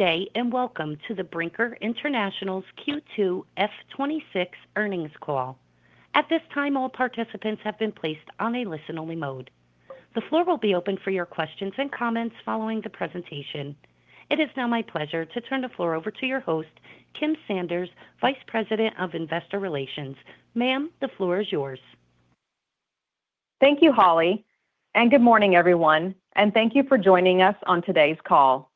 Good day, and welcome to the Brinker International's Q2 FY 2026 Earnings Call. At this time, all participants have been placed on a listen-only mode. The floor will be open for your questions and comments following the presentation. It is now my pleasure to turn the floor over to your host, Kim Sanders, Vice President of Investor Relations. Ma'am, the floor is yours. Thank you, Holly, and good morning, everyone, and thank you for joining us on today's call.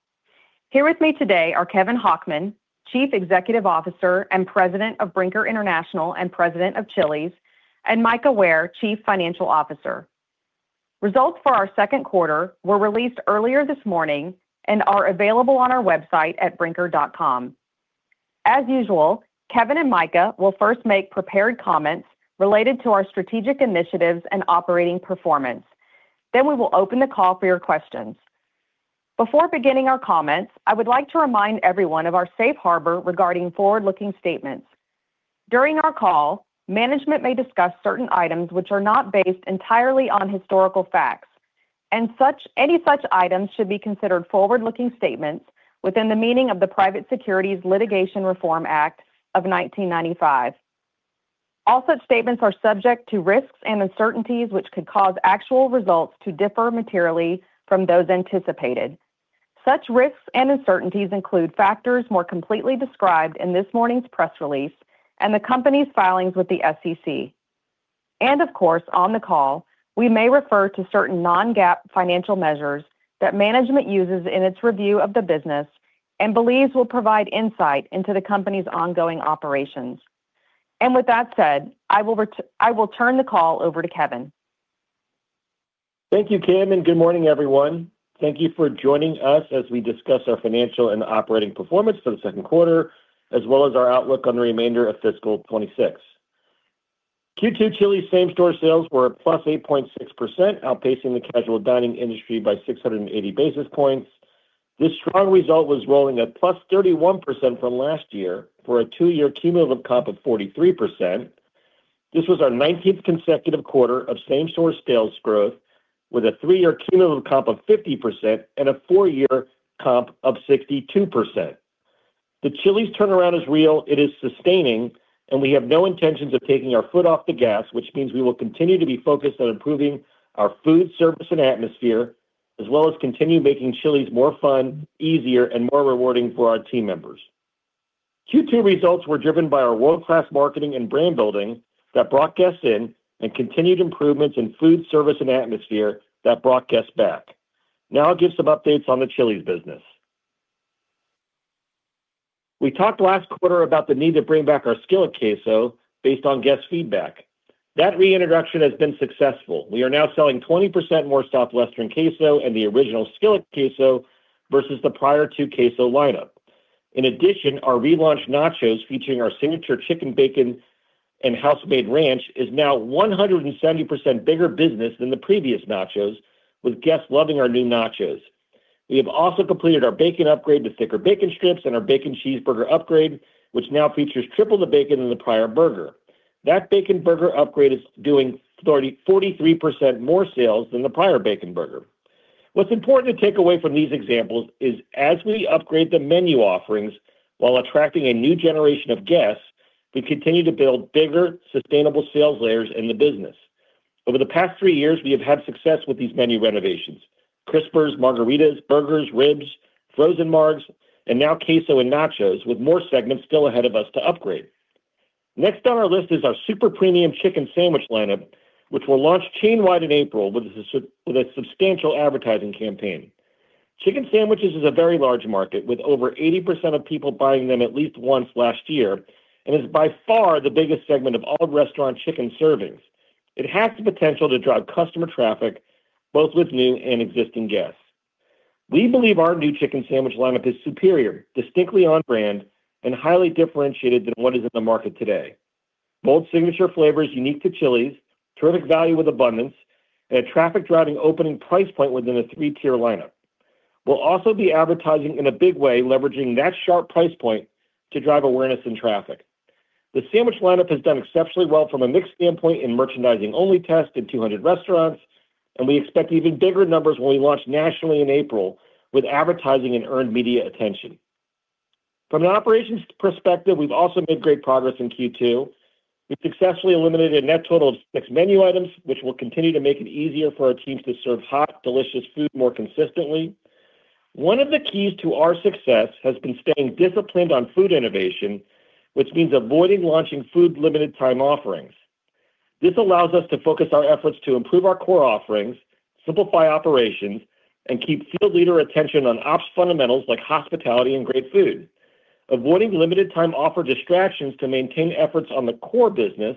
Here with me today are Kevin Hochman, Chief Executive Officer and President of Brinker International and President of Chili's, and Mika Ware, Chief Financial Officer. Results for our second quarter were released earlier this morning and are available on our website at brinker.com. As usual, Kevin and Mika will first make prepared comments related to our strategic initiatives and operating performance. Then we will open the call for your questions. Before beginning our comments, I would like to remind everyone of our safe harbor regarding forward-looking statements. During our call, management may discuss certain items which are not based entirely on historical facts, and any such items should be considered forward-looking statements within the meaning of the Private Securities Litigation Reform Act of 1995. All such statements are subject to risks and uncertainties, which could cause actual results to differ materially from those anticipated. Such risks and uncertainties include factors more completely described in this morning's press release and the company's filings with the SEC. And of course, on the call, we may refer to certain non-GAAP financial measures that management uses in its review of the business and believes will provide insight into the company's ongoing operations. And with that said, I will turn the call over to Kevin. Thank you, Kim, and good morning, everyone. Thank you for joining us as we discuss our financial and operating performance for the second quarter, as well as our outlook on the remainder of fiscal 2026. Q2 Chili's same-store sales were at +8.6%, outpacing the casual dining industry by 680 basis points. This strong result was rolling at +31% from last year for a two-year cumulative comp of 43%. This was our 19th consecutive quarter of same-store sales growth with a three-year cumulative comp of 50% and a four-year comp of 62%. The Chili's turnaround is real, it is sustaining, and we have no intentions of taking our foot off the gas, which means we will continue to be focused on improving our food, service, and atmosphere, as well as continue making Chili's more fun, easier, and more rewarding for our team members. Q2 results were driven by our world-class marketing and brand building that brought guests in and continued improvements in food, service, and atmosphere that brought guests back. Now I'll give some updates on the Chili's business. We talked last quarter about the need to bring back our Skillet Queso based on guest feedback. That reintroduction has been successful. We are now selling 20% more Southwestern Queso and the Original Skillet Queso versus the prior two-queso lineup. In addition, our relaunched nachos, featuring our signature chicken, bacon, and house-made ranch, is now 170% bigger business than the previous nachos, with guests loving our new nachos. We have also completed our bacon upgrade to thicker bacon strips and our bacon cheeseburger upgrade, which now features triple the bacon in the prior burger. That bacon burger upgrade is doing 30%-43% more sales than the prior bacon burger. What's important to take away from these examples is as we upgrade the menu offerings while attracting a new generation of guests, we continue to build bigger, sustainable sales layers in the business. Over the past three years, we have had success with these menu renovations, Crispers, margaritas, burgers, ribs, frozen margs, and now queso and nachos, with more segments still ahead of us to upgrade. Next on our list is our super premium chicken sandwich lineup, which will launch chain-wide in April with a substantial advertising campaign. Chicken sandwiches is a very large market, with over 80% of people buying them at least once last year, and is by far the biggest segment of all restaurant chicken servings. It has the potential to drive customer traffic, both with new and existing guests. We believe our new chicken sandwich lineup is superior, distinctly on brand, and highly differentiated than what is in the market today. Bold, signature flavors unique to Chili's, terrific value with abundance, and a traffic-driving opening price point within a three-tier lineup. We'll also be advertising in a big way, leveraging that sharp price point to drive awareness and traffic. The sandwich lineup has done exceptionally well from a mix standpoint in merchandising-only tests in 200 restaurants, and we expect even bigger numbers when we launch nationally in April with advertising and earned media attention. From an operations perspective, we've also made great progress in Q2. We successfully eliminated a net total of six menu items, which will continue to make it easier for our teams to serve hot, delicious food more consistently. One of the keys to our success has been staying disciplined on food innovation, which means avoiding launching food limited time offerings. This allows us to focus our efforts to improve our core offerings, simplify operations, and keep field leader attention on ops fundamentals like hospitality and great food. Avoiding limited time offer distractions to maintain efforts on the core business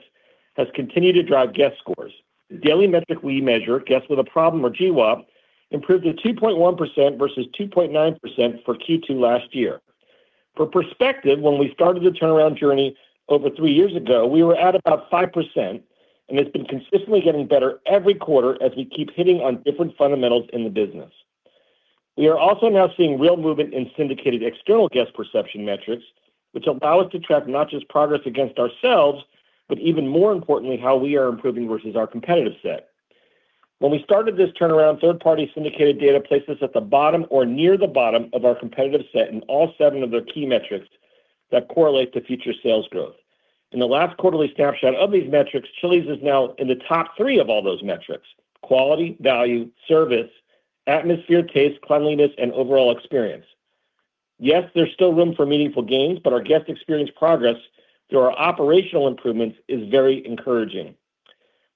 has continued to drive guest scores. The daily metric we measure, Guests with a Problem, or GWAP, improved to 2.1% versus 2.9% for Q2 last year. For perspective, when we started the turnaround journey over three years ago, we were at about 5%, and it's been consistently getting better every quarter as we keep hitting on different fundamentals in the business. We are also now seeing real movement in syndicated external guest perception metrics, which allow us to track not just progress against ourselves, but even more importantly, how we are improving versus our competitive set.... When we started this turnaround, third-party syndicated data placed us at the bottom or near the bottom of our competitive set in all seven of their key metrics that correlate to future sales growth. In the last quarterly snapshot of these metrics, Chili's is now in the top three of all those metrics: quality, value, service, atmosphere, taste, cleanliness, and overall experience. Yes, there's still room for meaningful gains, but our guest experience progress through our operational improvements is very encouraging.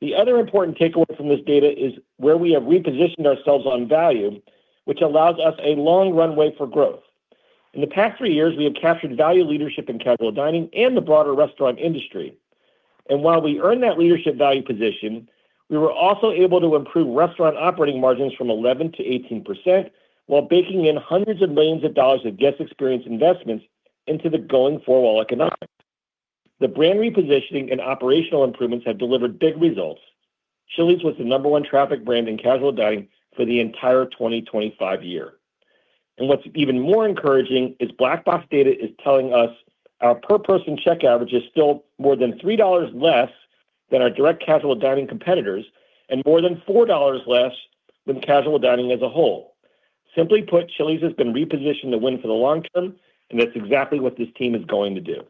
The other important takeaway from this data is where we have repositioned ourselves on value, which allows us a long runway for growth. In the past three years, we have captured value leadership in casual dining and the broader restaurant industry. And while we earned that leadership value position, we were also able to improve restaurant operating margins from 11%-18%, while baking in hundreds of millions of dollars of guest experience investments into the going forward economics. The brand repositioning and operational improvements have delivered big results. Chili's was the number one traffic brand in casual dining for the entire 2025 year. What's even more encouraging is Black Box data is telling us our per person check average is still more than $3 less than our direct casual dining competitors, and more than $4 less than casual dining as a whole. Simply put, Chili's has been repositioned to win for the long term, and that's exactly what this team is going to do.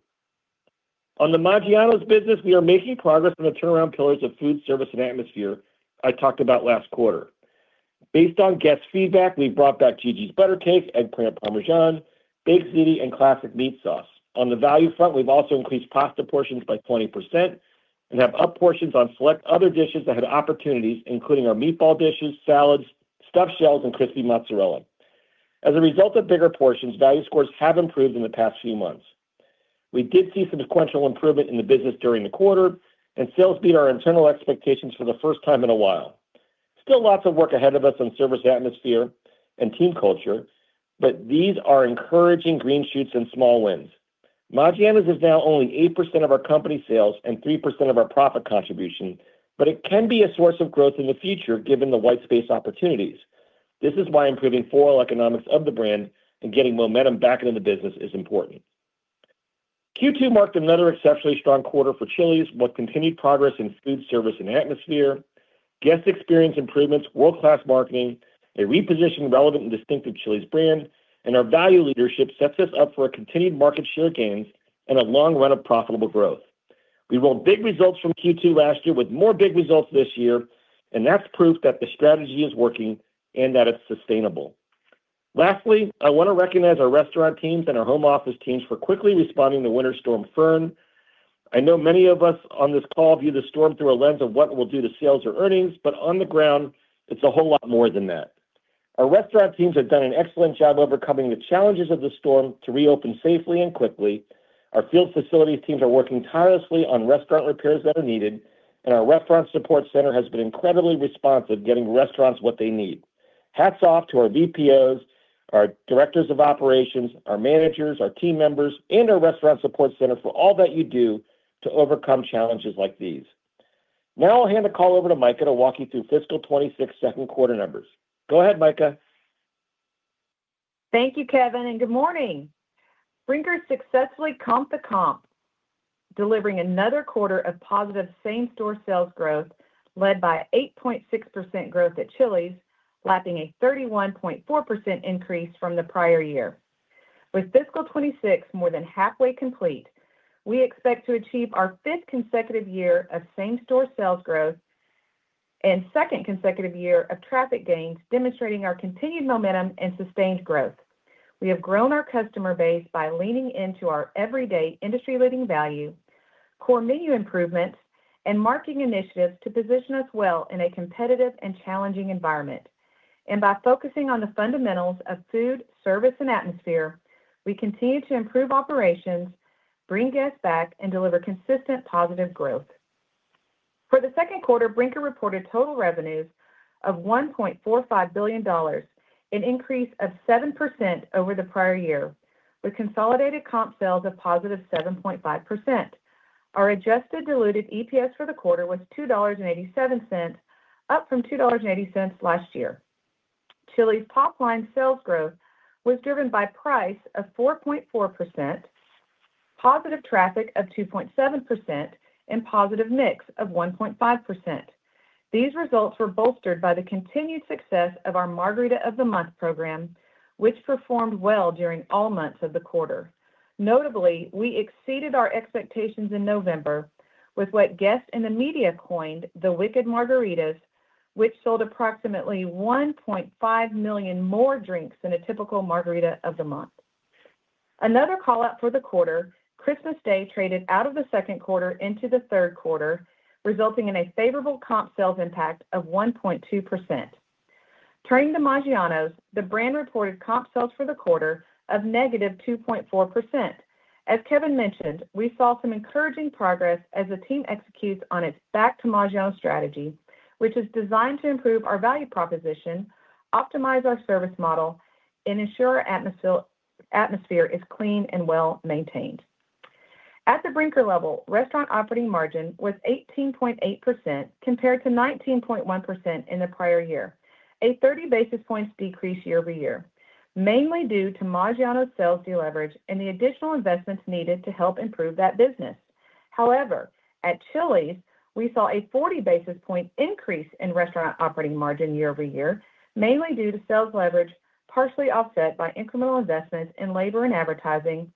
On the Maggiano's business, we are making progress on the turnaround pillars of food service and atmosphere I talked about last quarter. Based on guest feedback, we've brought back Gigi's Butter Cake, eggplant parmesan, baked ziti, and classic meat sauce. On the value front, we've also increased pasta portions by 20% and have upped portions on select other dishes that had opportunities, including our meatball dishes, salads, stuffed shells, and crispy mozzarella. As a result of bigger portions, value scores have improved in the past few months. We did see sequential improvement in the business during the quarter, and sales beat our internal expectations for the first time in a while. Still lots of work ahead of us on service, atmosphere, and team culture, but these are encouraging green shoots and small wins. Maggiano's is now only 8% of our company sales and 3% of our profit contribution, but it can be a source of growth in the future, given the white space opportunities. This is why improving core economics of the brand and getting momentum back into the business is important. Q2 marked another exceptionally strong quarter for Chili's, with continued progress in food service and atmosphere, guest experience improvements, world-class marketing, a repositioned, relevant, and distinctive Chili's brand, and our value leadership sets us up for a continued market share gains and a long run of profitable growth. We want big results from Q2 last year, with more big results this year, and that's proof that the strategy is working and that it's sustainable. Lastly, I want to recognize our restaurant teams and our home office teams for quickly responding to Winter Storm Fern. I know many of us on this call view the storm through a lens of what it will do to sales or earnings, but on the ground, it's a whole lot more than that. Our restaurant teams have done an excellent job overcoming the challenges of the storm to reopen safely and quickly. Our field facilities teams are working tirelessly on restaurant repairs that are needed, and our restaurant support center has been incredibly responsive, getting restaurants what they need. Hats off to our VPOs, our directors of operations, our managers, our team members, and our restaurant support center for all that you do to overcome challenges like these. Now, I'll hand the call over to Mika to walk you through fiscal 2026 second quarter numbers. Go ahead, Mika. Thank you, Kevin, and good morning. Brinker successfully comped the comp, delivering another quarter of positive same-store sales growth, led by 8.6% growth at Chili's, lapping a 31.4% increase from the prior year. With fiscal 2026 more than halfway complete, we expect to achieve our fifth consecutive year of same-store sales growth and second consecutive year of traffic gains, demonstrating our continued momentum and sustained growth. We have grown our customer base by leaning into our everyday industry-leading value, core menu improvements, and marketing initiatives to position us well in a competitive and challenging environment. By focusing on the fundamentals of food, service, and atmosphere, we continue to improve operations, bring guests back, and deliver consistent, positive growth. For the second quarter, Brinker reported total revenues of $1.45 billion, an increase of 7% over the prior year, with consolidated comp sales of +7.5%. Our adjusted diluted EPS for the quarter was $2.87, up from $2.80 last year. Chili's top-line sales growth was driven by price of 4.4%, positive traffic of 2.7%, and positive mix of 1.5%. These results were bolstered by the continued success of our Margarita of the Month program, which performed well during all months of the quarter. Notably, we exceeded our expectations in November with what guests in the media coined the Wicked Margaritas, which sold approximately 1.5 million more drinks than a typical Margarita of the Month. Another call-out for the quarter, Christmas Day traded out of the second quarter into the third quarter, resulting in a favorable comp sales impact of 1.2%. Turning to Maggiano's, the brand reported comp sales for the quarter of -2.4%. As Kevin mentioned, we saw some encouraging progress as the team executes on its Back to Maggiano's strategy, which is designed to improve our value proposition, optimize our service model, and ensure atmosphere, atmosphere is clean and well maintained. At the Brinker level, restaurant operating margin was 18.8%, compared to 19.1% in the prior year, a 30 basis points decrease year-over-year, mainly due to Maggiano's sales deleverage and the additional investments needed to help improve that business.... However, at Chili's, we saw a 40 basis point increase in restaurant operating margin year-over-year, mainly due to sales leverage, partially offset by incremental investments in labor and advertising,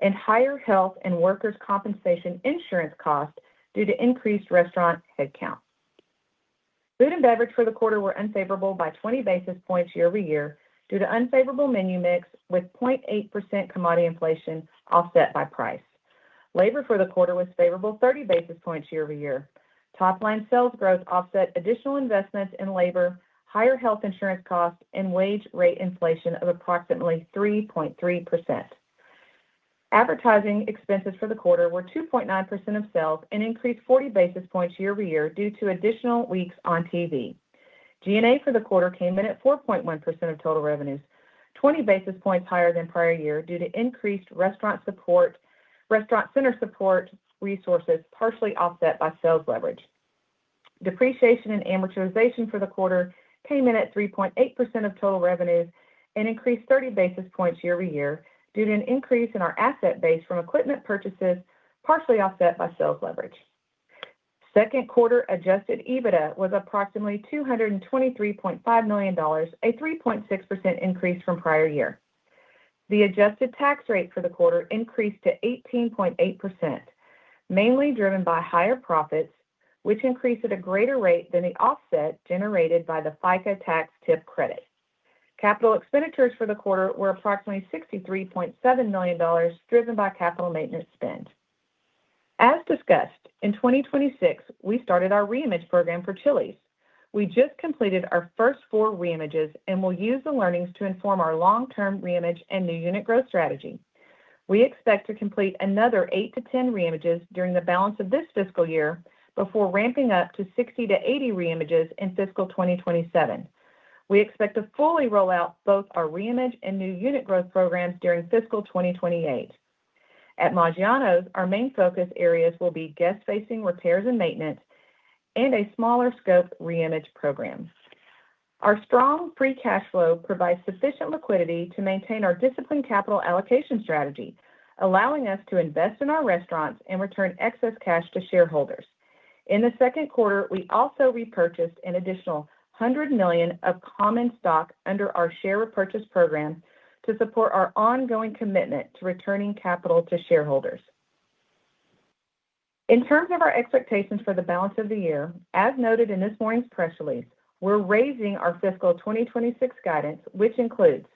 and higher health and workers' compensation insurance costs due to increased restaurant headcount. Food and beverage for the quarter were unfavorable by 20 basis points year-over-year due to unfavorable menu mix, with 0.8% commodity inflation offset by price. Labor for the quarter was favorable 30 basis points year-over-year. Top-line sales growth offset additional investments in labor, higher health insurance costs, and wage rate inflation of approximately 3.3%. Advertising expenses for the quarter were 2.9% of sales and increased 40 basis points year-over-year due to additional weeks on TV. G&A for the quarter came in at 4.1% of total revenues, 20 basis points higher than prior year due to increased restaurant support, restaurant center support resources, partially offset by sales leverage. Depreciation and amortization for the quarter came in at 3.8% of total revenues and increased 30 basis points year-over-year due to an increase in our asset base from equipment purchases, partially offset by sales leverage. Second quarter adjusted EBITDA was approximately $223.5 million, a 3.6% increase from prior year. The adjusted tax rate for the quarter increased to 18.8%, mainly driven by higher profits, which increased at a greater rate than the offset generated by the FICA tax tip credit. Capital expenditures for the quarter were approximately $63.7 million, driven by capital maintenance spend. As discussed, in 2026, we started our reimage program for Chili's. We just completed our first four reimages, and we'll use the learnings to inform our long-term reimage and new unit growth strategy. We expect to complete another 8-10 reimages during the balance of this fiscal year before ramping up to 60-80 reimages in fiscal 2027. We expect to fully roll out both our reimage and new unit growth programs during fiscal 2028. At Maggiano's, our main focus areas will be guest-facing repairs and maintenance and a smaller scope reimage program. Our strong free cash flow provides sufficient liquidity to maintain our disciplined capital allocation strategy, allowing us to invest in our restaurants and return excess cash to shareholders. In the second quarter, we also repurchased an additional $100 million of common stock under our share repurchase program to support our ongoing commitment to returning capital to shareholders. In terms of our expectations for the balance of the year, as noted in this morning's press release, we're raising our fiscal 2026 guidance, which includes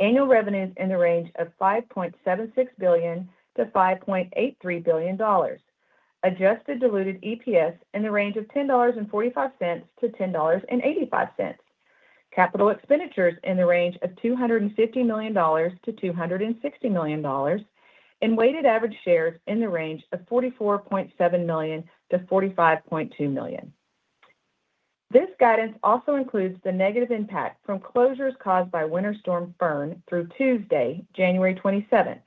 annual revenues in the range of $5.76 billion-$5.83 billion, adjusted diluted EPS in the range of $10.45-$10.85, capital expenditures in the range of $250 million-$260 million, and weighted average shares in the range of $44.7 million-$45.2 million. This guidance also includes the negative impact from closures caused by Winter Storm Fern through Tuesday, January 27th,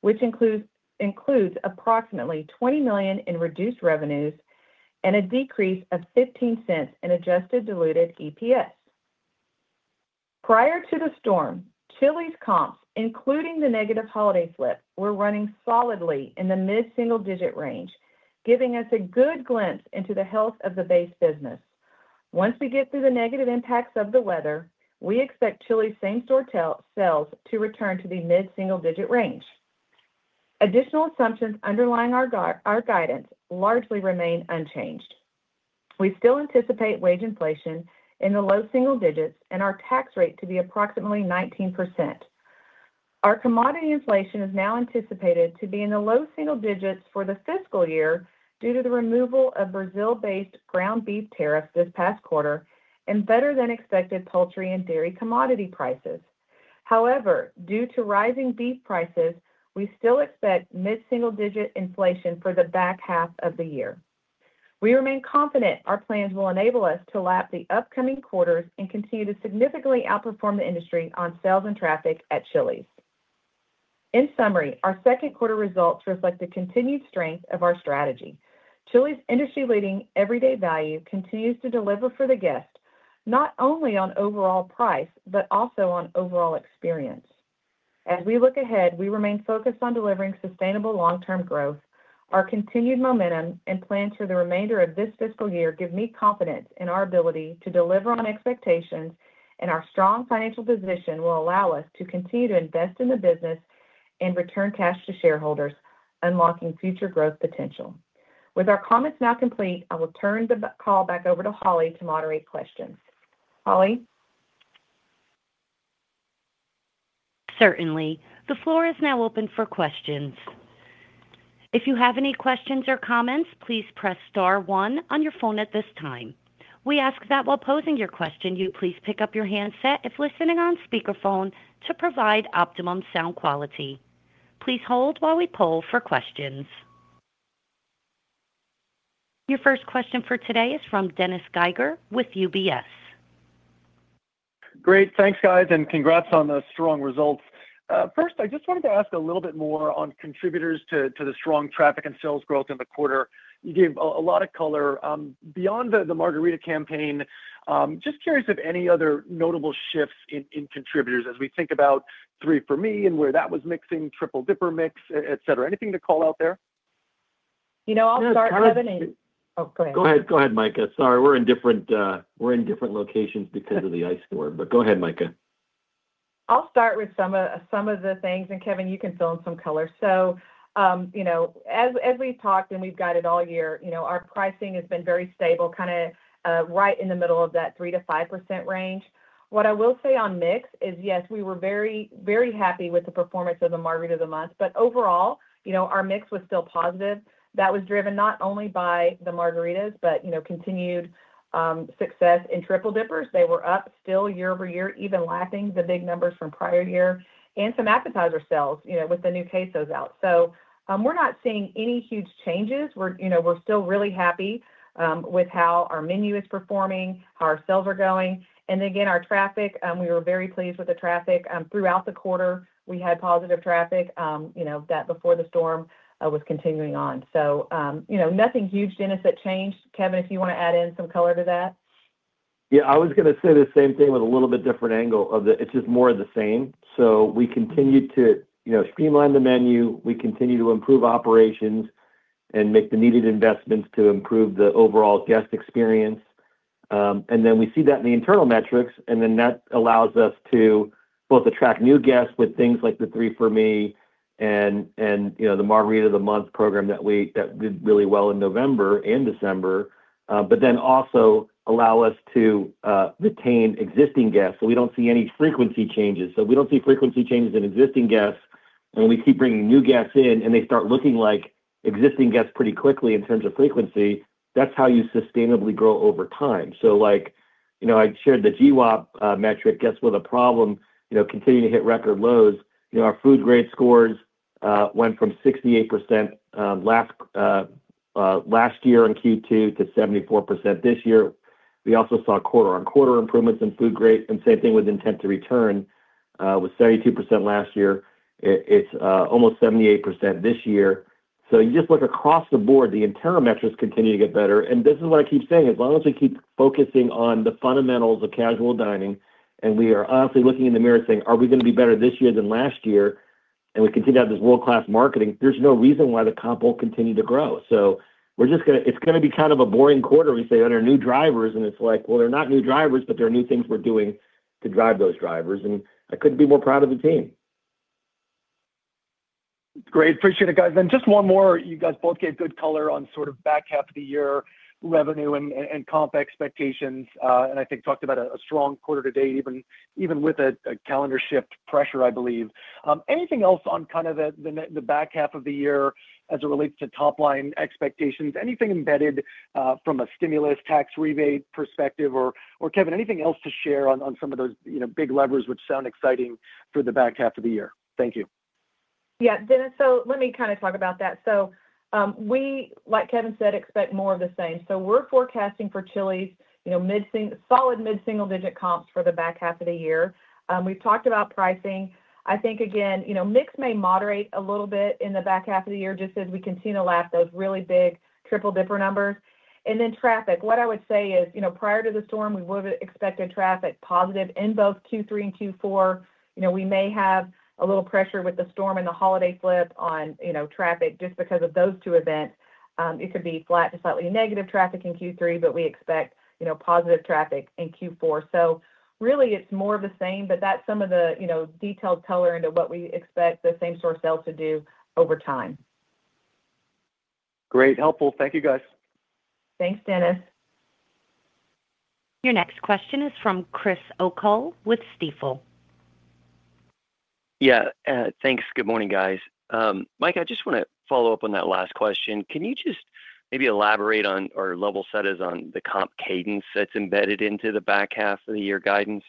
which includes approximately $20 million in reduced revenues and a decrease of $0.15 in adjusted diluted EPS. Prior to the storm, Chili's comps, including the negative holiday slip, were running solidly in the mid-single-digit range, giving us a good glimpse into the health of the base business. Once we get through the negative impacts of the weather, we expect Chili's same-store sales to return to the mid-single-digit range. Additional assumptions underlying our guidance largely remain unchanged. We still anticipate wage inflation in the low single digits and our tax rate to be approximately 19%. Our commodity inflation is now anticipated to be in the low single digits for the fiscal year due to the removal of Brazil-based ground beef tariffs this past quarter and better than expected poultry and dairy commodity prices. However, due to rising beef prices, we still expect mid-single-digit inflation for the back half of the year. We remain confident our plans will enable us to lap the upcoming quarters and continue to significantly outperform the industry on sales and traffic at Chili's. In summary, our second quarter results reflect the continued strength of our strategy. Chili's industry-leading everyday value continues to deliver for the guest, not only on overall price, but also on overall experience. As we look ahead, we remain focused on delivering sustainable long-term growth. Our continued momentum and plan for the remainder of this fiscal year give me confidence in our ability to deliver on expectations, and our strong financial position will allow us to continue to invest in the business and return cash to shareholders, unlocking future growth potential. With our comments now complete, I will turn the call back over to Holly to moderate questions. Holly? Certainly. The floor is now open for questions. If you have any questions or comments, please press star one on your phone at this time. We ask that while posing your question, you please pick up your handset if listening on speakerphone to provide optimum sound quality. Please hold while we poll for questions. Your first question for today is from Dennis Geiger with UBS. Great, thanks, guys, and congrats on the strong results. First, I just wanted to ask a little bit more on contributors to the strong traffic and sales growth in the quarter. You gave a lot of color. Beyond the margarita campaign, just curious if any other notable shifts in contributors as we think about 3 For Me and where that was mixing, Triple Dipper mix, et cetera. Anything to call out there?... You know, I'll start, Kevin, and. Oh, go ahead. Go ahead. Go ahead, Mika. Sorry, we're in different locations because of the ice storm, but go ahead, Mika. I'll start with some of the things, and, Kevin, you can fill in some color. So, you know, as we've talked, and we've guided all year, you know, our pricing has been very stable, kinda, right in the middle of that 3%-5% range. What I will say on mix is, yes, we were very, very happy with the performance of the Margarita of the Month, but overall, you know, our mix was still positive. That was driven not only by the margaritas, but, you know, continued success in Triple Dippers. They were up still year-over-year, even lapping the big numbers from prior year, and some appetizer sales, you know, with the new quesos out. So, we're not seeing any huge changes. We're, you know, we're still really happy with how our menu is performing, how our sales are going, and again, our traffic. We were very pleased with the traffic. You know, that before the storm was continuing on. So, you know, nothing huge, Dennis, that changed. Kevin, if you wanna add in some color to that. Yeah, I was gonna say the same thing with a little bit different angle of the... It's just more of the same. So we continue to, you know, streamline the menu, we continue to improve operations, and make the needed investments to improve the overall guest experience. And then we see that in the internal metrics, and then that allows us to both attract new guests with things like the 3 For Me and, you know, the Margarita of the Month program that did really well in November and December, but then also allow us to retain existing guests, so we don't see any frequency changes. So we don't see frequency changes in existing guests, and we keep bringing new guests in, and they start looking like existing guests pretty quickly in terms of frequency. That's how you sustainably grow over time. So, like, you know, I shared the GWAP, metric, Guests With a Problem, you know, continuing to hit record lows. You know, our food grade scores went from 68% last year in Q2 to 74% this year. We also saw quarter-on-quarter improvements in food grade, and same thing with intent to return. It was 72% last year. It's almost 78% this year. So you just look across the board, the internal metrics continue to get better, and this is what I keep saying: As long as we keep focusing on the fundamentals of casual dining, and we are honestly looking in the mirror saying, "Are we gonna be better this year than last year?" And we continue to have this world-class marketing, there's no reason why the comp won't continue to grow. It's gonna be kind of a boring quarter, we say, on our new drivers, and it's like, well, they're not new drivers, but they're new things we're doing to drive those drivers, and I couldn't be more proud of the team. Great. Appreciate it, guys. And just one more, you guys both gave good color on sort of back half of the year revenue and comp expectations, and I think talked about a strong quarter to date, even with a calendar shift pressure, I believe. Anything else on kind of the back half of the year as it relates to top-line expectations? Anything embedded from a stimulus tax rebate perspective or, Kevin, anything else to share on some of those, you know, big levers which sound exciting for the back half of the year? Thank you. Yeah, Dennis, so let me kind of talk about that. So, we, like Kevin said, expect more of the same. So we're forecasting for Chili's, you know, solid mid-single-digit comps for the back half of the year. We've talked about pricing. I think, again, you know, mix may moderate a little bit in the back half of the year, just as we continue to lap those really big Triple Dipper numbers. And then traffic, what I would say is, you know, prior to the storm, we would've expected traffic positive in both Q3 and Q4. You know, we may have a little pressure with the storm and the holiday flip on, you know, traffic just because of those two events. It could be flat to slightly negative traffic in Q3, but we expect, you know, positive traffic in Q4. Really, it's more of the same, but that's some of the, you know, detailed color into what we expect the same store sales to do over time. Great, helpful. Thank you, guys. Thanks, Dennis. Your next question is from Chris O'Cull with Stifel. Yeah, thanks. Good morning, guys. Mike, I just wanna follow up on that last question. Can you just maybe elaborate on or level set us on the comp cadence that's embedded into the back half of the year guidance?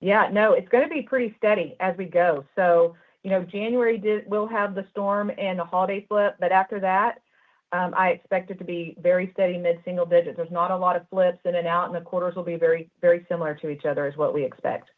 Yeah. No, it's gonna be pretty steady as we go. So, you know, January will have the storm and the holiday flip, but after that, I expect it to be very steady, mid-single digit. There's not a lot of flips in and out, and the quarters will be very, very similar to each other, is what we expect.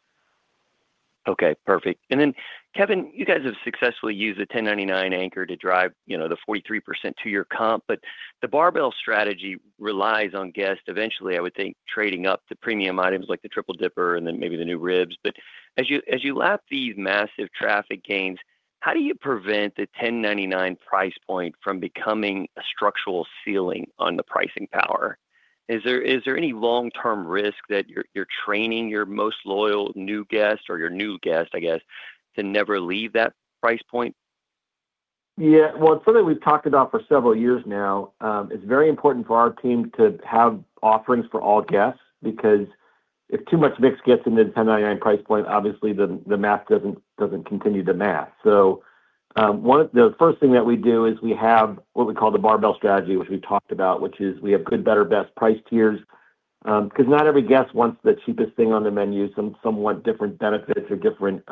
Okay, perfect. And then, Kevin, you guys have successfully used the $10.99 anchor to drive, you know, the 43% two-year comp, but the barbell strategy relies on guests eventually, I would think, trading up to premium items like the Triple Dipper and then maybe the new ribs. But as you, as you lap these massive traffic gains, how do you prevent the $10.99 price point from becoming a structural ceiling on the pricing power? Is there, is there any long-term risk that you're, you're training your most loyal new guests or your new guests, I guess, to never leave that price point? Yeah. Well, it's something we've talked about for several years now. It's very important for our team to have offerings for all guests, because if too much mix gets in the $10.99 price point, obviously, the math doesn't continue the math. So, one of the first thing that we do is we have what we call the barbell strategy, which we've talked about, which is we have good, better, best price tiers. 'Cause not every guest wants the cheapest thing on the menu. Some want different benefits or different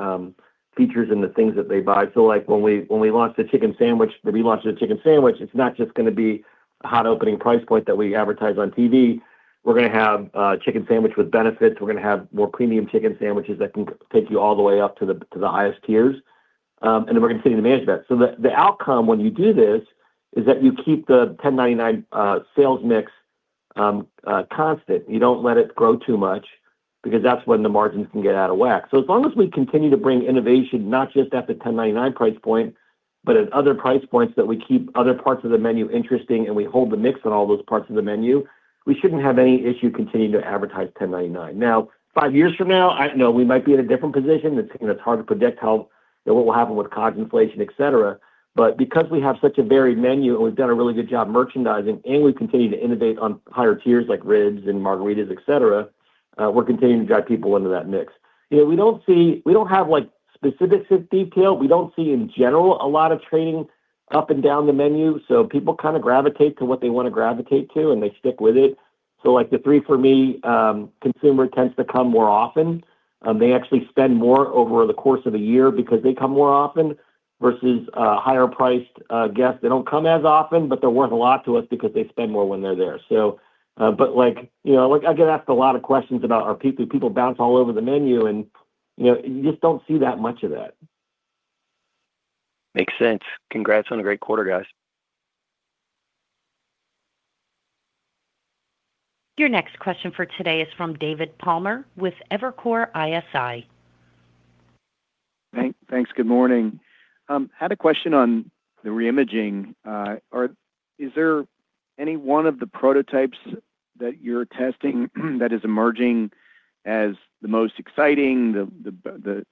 features in the things that they buy. So, like, when we launched the chicken sandwich, it's not just gonna be a hot opening price point that we advertise on TV. We're gonna have chicken sandwich with benefits. We're gonna have more premium chicken sandwiches that can take you all the way up to the highest tiers, and then we're gonna continue to manage that. So the outcome when you do this is that you keep the $10.99 sales mix constant. You don't let it grow too much because that's when the margins can get out of whack. So as long as we continue to bring innovation, not just at the $10.99 price point, but at other price points, that we keep other parts of the menu interesting, and we hold the mix on all those parts of the menu, we shouldn't have any issue continuing to advertise $10.99. Now, five years from now, I know we might be in a different position. It's, you know, it's hard to predict how, what will happen with cost inflation, et cetera. But because we have such a varied menu, and we've done a really good job merchandising, and we continue to innovate on higher tiers like ribs and margaritas, et cetera, we're continuing to drive people into that mix. You know, we don't have, like, specific detail. We don't see, in general, a lot of trading up and down the menu, so people kind of gravitate to what they want to gravitate to, and they stick with it. So, like, the 3 For Me consumer tends to come more often. They actually spend more over the course of a year because they come more often versus higher priced guests. They don't come as often, but they're worth a lot to us because they spend more when they're there. So, but like, you know, like I get asked a lot of questions about are people people bounce all over the menu and, you know, you just don't see that much of that. Makes sense. Congrats on a great quarter, guys. Your next question for today is from David Palmer with Evercore ISI. Thanks. Good morning. Had a question on the reimaging. Is there any one of the prototypes that you're testing that is emerging as the most exciting? You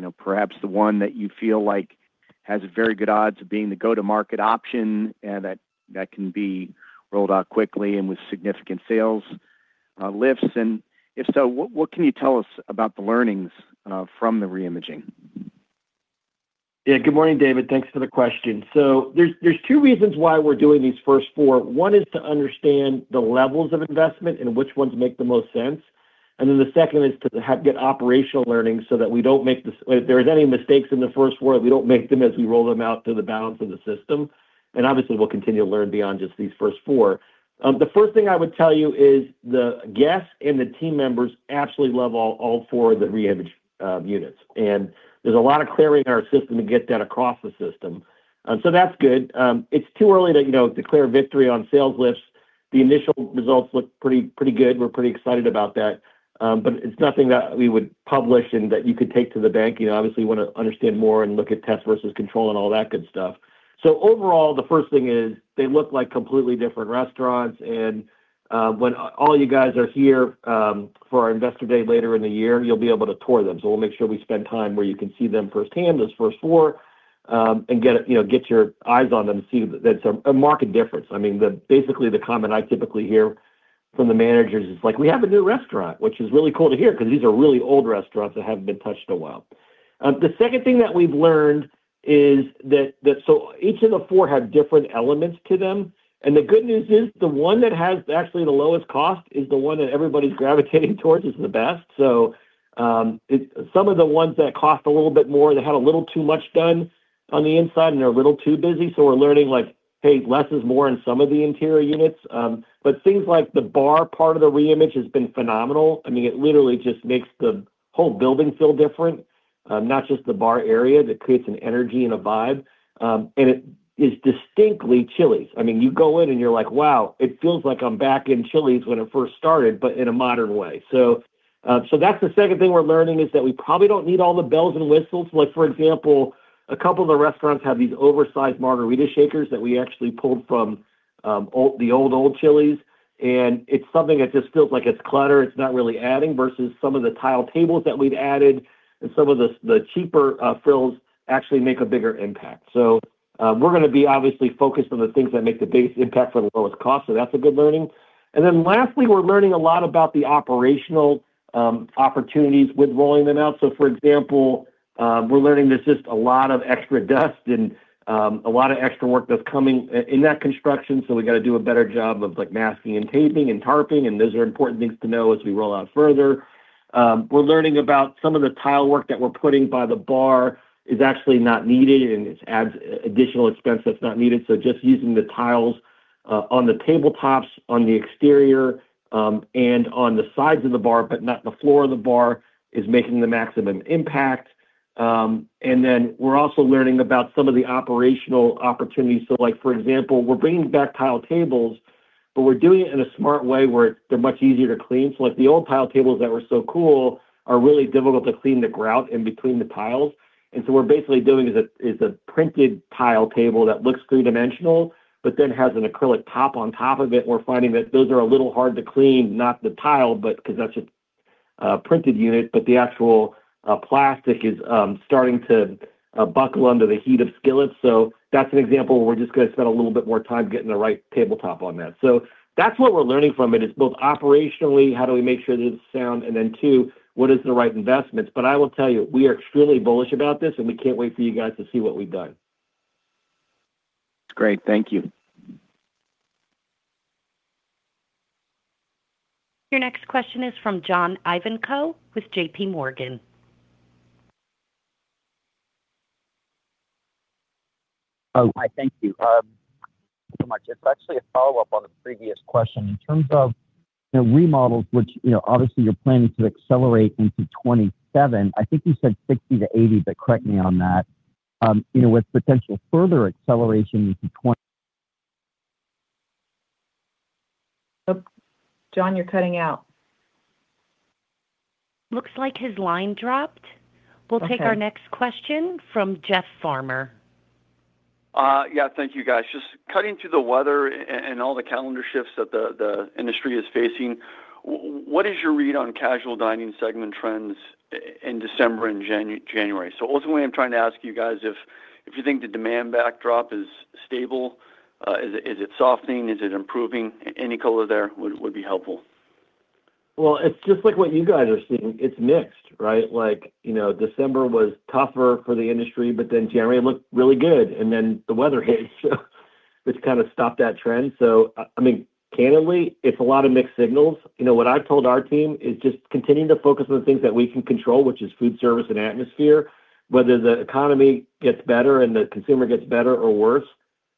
know, perhaps the one that you feel like has very good odds of being the go-to market option, and that can be rolled out quickly and with significant sales lifts. And if so, what can you tell us about the learnings from the reimaging? Yeah. Good morning, David. Thanks for the question. So there's two reasons why we're doing these first four. One is to understand the levels of investment and which ones make the most sense. And then the second is to get operational learning so that we don't make. If there is any mistakes in the first four, we don't make them as we roll them out to the balance of the system. And obviously, we'll continue to learn beyond just these first four. The first thing I would tell you is the guests and the team members absolutely love all four of the reimage units, and there's a lot of clarity in our system to get that across the system. So that's good. It's too early to, you know, declare victory on sales lifts. The initial results look pretty, pretty good. We're pretty excited about that. But it's nothing that we would publish and that you could take to the bank. You know, obviously, we want to understand more and look at test versus control and all that good stuff. So overall, the first thing is they look like completely different restaurants, and when all you guys are here for our Investor Day later in the year, you'll be able to tour them. So we'll make sure we spend time where you can see them firsthand, those first four, and get, you know, get your eyes on them and see that's a marked difference. I mean, basically, the comment I typically hear from the managers is like, "We have a new restaurant," which is really cool to hear because these are really old restaurants that haven't been touched in a while. The second thing that we've learned is that so each of the four have different elements to them, and the good news is, the one that has actually the lowest cost is the one that everybody's gravitating towards is the best. So, it's some of the ones that cost a little bit more, they had a little too much done on the inside and are a little too busy. So we're learning, like, hey, less is more in some of the interior units. But things like the bar part of the reimage has been phenomenal. I mean, it literally just makes the whole building feel different, not just the bar area. That creates an energy and a vibe. And it is distinctly Chili's. I mean, you go in and you're like, "Wow, it feels like I'm back in Chili's when it first started," but in a modern way. So, so that's the second thing we're learning, is that we probably don't need all the bells and whistles. Like, for example, a couple of the restaurants have these oversized margarita shakers that we actually pulled from the old Chili's, and it's something that just feels like it's clutter. It's not really adding versus some of the tile tables that we've added, and some of the cheaper frills actually make a bigger impact. So, we're gonna be obviously focused on the things that make the biggest impact for the lowest cost. So that's a good learning. And then lastly, we're learning a lot about the operational opportunities with rolling them out. So for example, we're learning there's just a lot of extra dust and a lot of extra work that's coming in that construction. So we got to do a better job of, like, masking and taping and tarping, and those are important things to know as we roll out further. We're learning about some of the tile work that we're putting by the bar is actually not needed, and it adds additional expense that's not needed. So just using the tiles on the tabletops, on the exterior, and on the sides of the bar, but not the floor of the bar, is making the maximum impact. And then we're also learning about some of the operational opportunities. So, like, for example, we're bringing back tile tables, but we're doing it in a smart way, where they're much easier to clean. So, like, the old tile tables that were so cool are really difficult to clean the grout in between the tiles. And so we're basically doing a printed tile table that looks three-dimensional but then has an acrylic top on top of it. We're finding that those are a little hard to clean, not the tile, but because that's a printed unit, but the actual plastic is starting to buckle under the heat of skillets. So that's an example where we're just gonna spend a little bit more time getting the right tabletop on that. So that's what we're learning from it. It's both operationally, how do we make sure that it's sound? And then, two, what is the right investments? But I will tell you, we are extremely bullish about this, and we can't wait for you guys to see what we've done. Great. Thank you. Your next question is from John Ivankoe with J.P. Morgan. Oh, hi. Thank you, so much. It's actually a follow-up on the previous question. In terms of-... And remodels, which, you know, obviously you're planning to accelerate into 2027. I think you said 60-80, but correct me on that. You know, with potential further acceleration into twenty- John, you're cutting out. Looks like his line dropped. Okay. We'll take our next question from Jeff Farmer. Yeah, thank you, guys. Just cutting through the weather and all the calendar shifts that the industry is facing, what is your read on casual dining segment trends in December and January? So ultimately, I'm trying to ask you guys if you think the demand backdrop is stable, is it softening? Is it improving? Any color there would be helpful. Well, it's just like what you guys are seeing. It's mixed, right? Like, you know, December was tougher for the industry, but then January looked really good, and then the weather hit, so which kind of stopped that trend. So, I mean, candidly, it's a lot of mixed signals. You know, what I've told our team is just continuing to focus on the things that we can control, which is food service and atmosphere. Whether the economy gets better and the consumer gets better or worse,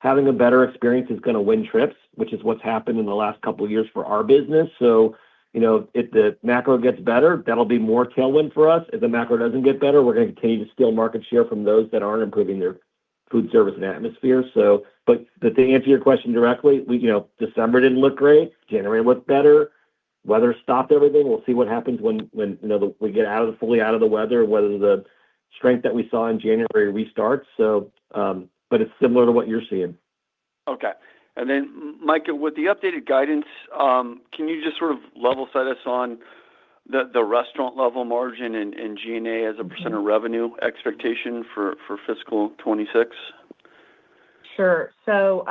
having a better experience is gonna win trips, which is what's happened in the last couple of years for our business. So, you know, if the macro gets better, that'll be more tailwind for us. If the macro doesn't get better, we're gonna continue to steal market share from those that aren't improving their food service and atmosphere so... But to answer your question directly, we, you know, December didn't look great. January looked better. Weather stopped everything. We'll see what happens when, you know, we get out of the, fully out of the weather, whether the strength that we saw in January restarts. So, but it's similar to what you're seeing. Okay. And then, Mika, with the updated guidance, can you just sort of level set us on the restaurant level margin and G&A as a % of revenue expectation for fiscal 2026? Sure. So,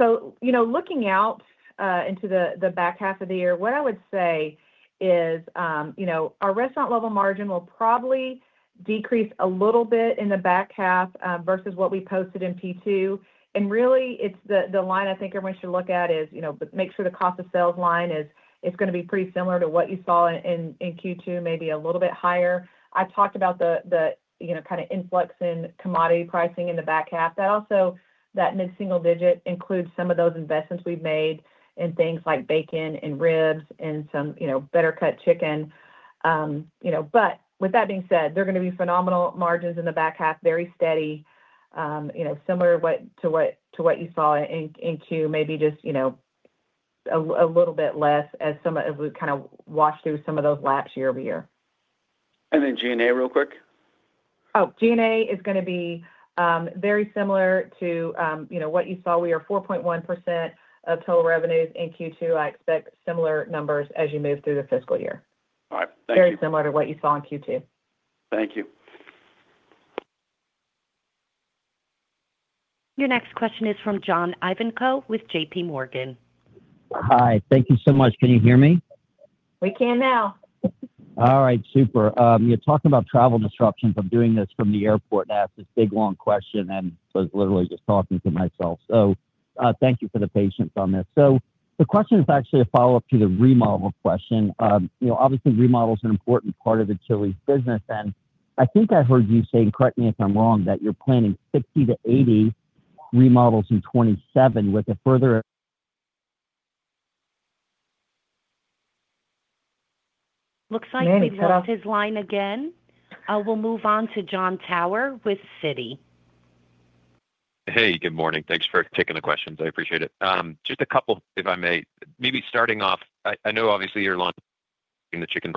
so, you know, looking out into the back half of the year, what I would say is, you know, our restaurant level margin will probably decrease a little bit in the back half versus what we posted in Q2. And really, it's the line I think everyone should look at is, you know, but make sure the cost of sales line is gonna be pretty similar to what you saw in Q2, maybe a little bit higher. I talked about the, you know, kind of influx in commodity pricing in the back half. That also, that mid-single digit includes some of those investments we've made in things like bacon and ribs and some, you know, better cut chicken. You know, but with that being said, they're gonna be phenomenal margins in the back half, very steady, you know, similar to what you saw in Q2, maybe just, you know, a little bit less as we kind of wash through some of those laps year-over-year. G&A real quick? Oh, G&A is gonna be, very similar to, you know, what you saw. We are 4.1% of total revenues in Q2. I expect similar numbers as you move through the fiscal year. All right. Thank you. Very similar to what you saw in Q2. Thank you. Your next question is from John Ivankoe with J.P. Morgan. Hi. Thank you so much. Can you hear me? We can now. All right, super. You're talking about travel disruptions. I'm doing this from the airport to ask this big, long question, and was literally just talking to myself, so, thank you for the patience on this. So the question is actually a follow-up to the remodel question. You know, obviously, remodel is an important part of the Chili's business, and I think I heard you say, and correct me if I'm wrong, that you're planning 60-80 remodels in 2027 with a further- Looks like we lost his line again. We'll move on to John Tower with Citi. Hey, good morning. Thanks for taking the questions. I appreciate it. Just a couple, if I may. Maybe starting off, I know obviously you're launching the chicken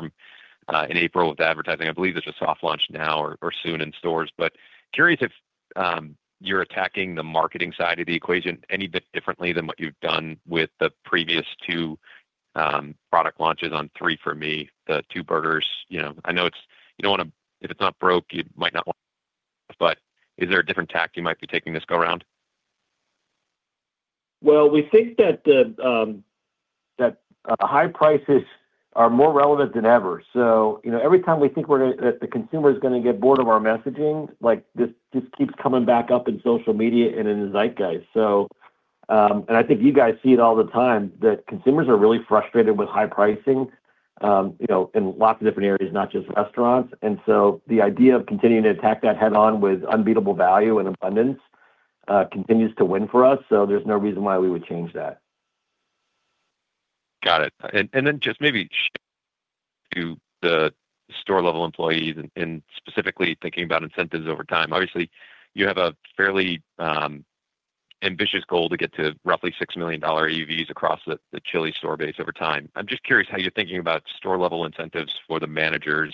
in April with advertising. I believe there's a soft launch now or soon in stores, but curious if you're attacking the marketing side of the equation any bit differently than what you've done with the previous two product launches on 3 For Me, the two burgers, you know? I know it's... You don't wanna-- If it's not broke, you might not want... But is there a different tack you might be taking this go around? Well, we think that the high prices are more relevant than ever. So, you know, every time we think we're gonna, that the consumer is gonna get bored of our messaging, like, this just keeps coming back up in social media and in the zeitgeist. So, and I think you guys see it all the time, that consumers are really frustrated with high pricing, you know, in lots of different areas, not just restaurants. And so the idea of continuing to attack that head-on with unbeatable value and abundance, continues to win for us, so there's no reason why we would change that. Got it. And then just maybe to the store level employees and specifically thinking about incentives over time. Obviously, you have a fairly ambitious goal to get to roughly $6 million AUVs across the Chili's store base over time. I'm just curious how you're thinking about store-level incentives for the managers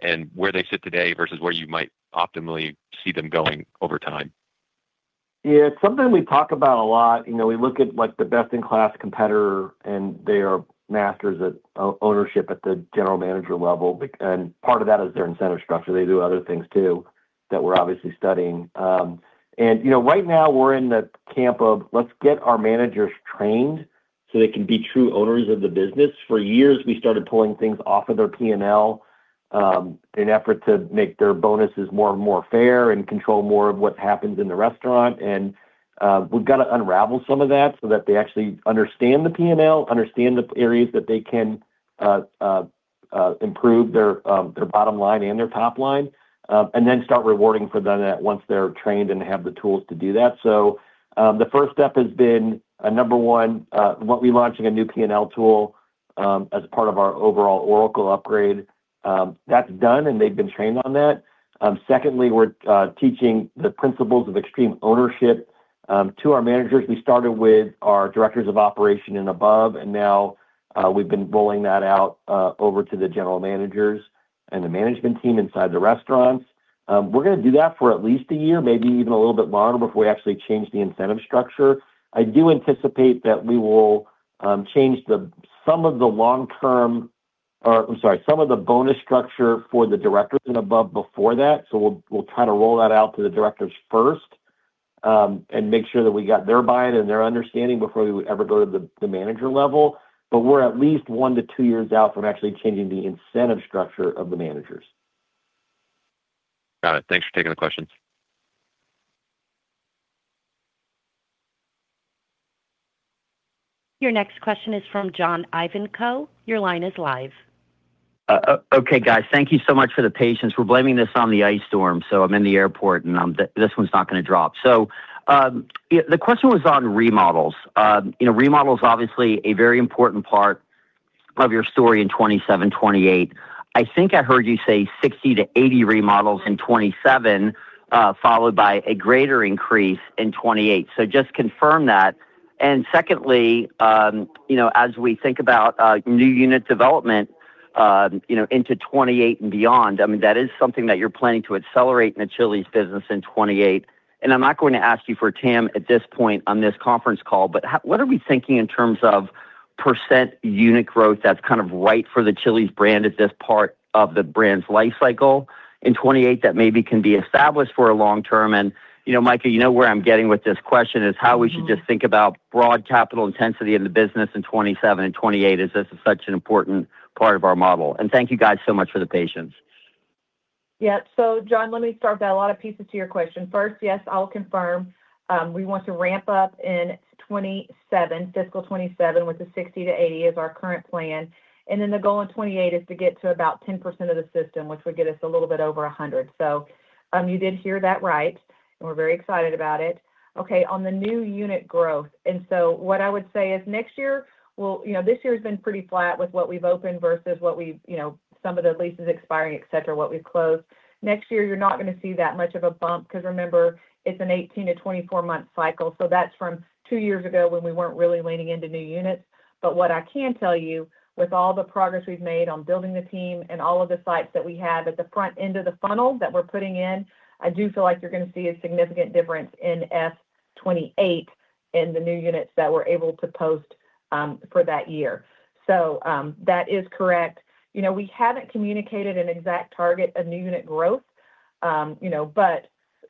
and where they sit today versus where you might optimally see them going over time. Yeah, it's something we talk about a lot. You know, we look at, like, the best-in-class competitor, and they are masters at ownership at the general manager level, and part of that is their incentive structure. They do other things, too, that we're obviously studying. And, you know, right now we're in the camp of let's get our managers trained so they can be true owners of the business. For years, we started pulling things off of their P&L in effort to make their bonuses more and more fair and control more of what happens in the restaurant. And we've got to unravel some of that so that they actually understand the P&L, understand the areas that they can.... improve their their bottom line and their top line, and then start rewarding for them that once they're trained and have the tools to do that. So, the first step has been number one, we're launching a new P&L tool as part of our overall Oracle upgrade. That's done, and they've been trained on that. Secondly, we're teaching the principles of extreme ownership to our managers. We started with our directors of operations and above, and now we've been rolling that out over to the general managers and the management team inside the restaurants. We're gonna do that for at least a year, maybe even a little bit longer, before we actually change the incentive structure. I do anticipate that we will change some of the long-term, or I'm sorry, some of the bonus structure for the directors and above before that. So we'll try to roll that out to the directors first, and make sure that we got their buy-in and their understanding before we would ever go to the manager level. But we're at least 1-2 years out from actually changing the incentive structure of the managers. Got it. Thanks for taking the questions. Your next question is from John Ivankoe. Your line is live. Okay, guys. Thank you so much for the patience. We're blaming this on the ice storm, so I'm in the airport, and this one's not gonna drop. So, yeah, the question was on remodels. You know, remodel is obviously a very important part of your story in 2027, 2028. I think I heard you say 60-80 remodels in 2027, followed by a greater increase in 2028. So just confirm that. And secondly, you know, as we think about new unit development, you know, into 2028 and beyond, I mean, that is something that you're planning to accelerate in the Chili's business in 2028. And I'm not going to ask you for a TAM at this point on this conference call, but what are we thinking in terms of % unit growth that's kind of right for the Chili's brand at this part of the brand's life cycle in 2028, that maybe can be established for a long term? And, you know, Mika, you know where I'm getting with this question, is how we should just think about broad capital intensity in the business in 2027 and 2028, as this is such an important part of our model. And thank you guys so much for the patience. Yeah. So John, let me start with a lot of pieces to your question. First, yes, I'll confirm, we want to ramp up in 2027, fiscal 2027, with the 60-80 as our current plan. And then the goal in 2028 is to get to about 10% of the system, which would get us a little bit over 100. So, you did hear that right, and we're very excited about it. Okay, on the new unit growth, and so what I would say is next year will, you know, this year has been pretty flat with what we've opened versus what we've, you know, some of the leases expiring, et cetera, what we've closed. Next year, you're not gonna see that much of a bump, 'cause remember, it's an 18- to 24-month cycle, so that's from two years ago, when we weren't really leaning into new units. But what I can tell you, with all the progress we've made on building the team and all of the sites that we have at the front end of the funnel that we're putting in, I do feel like you're gonna see a significant difference in FY 28 in the new units that we're able to post for that year. So, that is correct. You know, we haven't communicated an exact target of new unit growth, you know, but,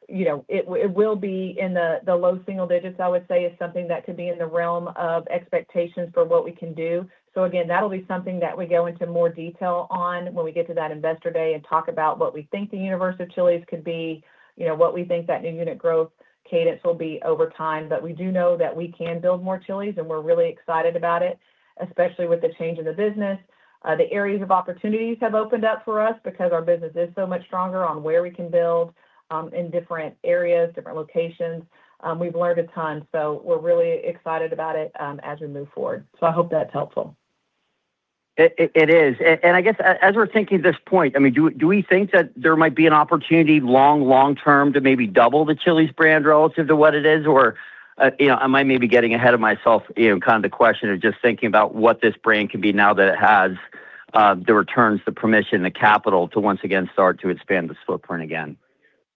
you know, it will be in the low single digits, I would say, is something that could be in the realm of expectations for what we can do. So again, that'll be something that we go into more detail on when we get to that Investor Day and talk about what we think the universe of Chili's could be, you know, what we think that new unit growth cadence will be over time. But we do know that we can build more Chili's, and we're really excited about it, especially with the change in the business. The areas of opportunities have opened up for us because our business is so much stronger on where we can build in different areas, different locations. We've learned a ton, so we're really excited about it as we move forward. So I hope that's helpful. It is. And I guess as we're thinking at this point, I mean, do we think that there might be an opportunity long term to maybe double the Chili's brand relative to what it is? Or, you know, I might be getting ahead of myself, you know, kind of the question of just thinking about what this brand can be now that it has the returns, the permission, the capital to once again start to expand this footprint again.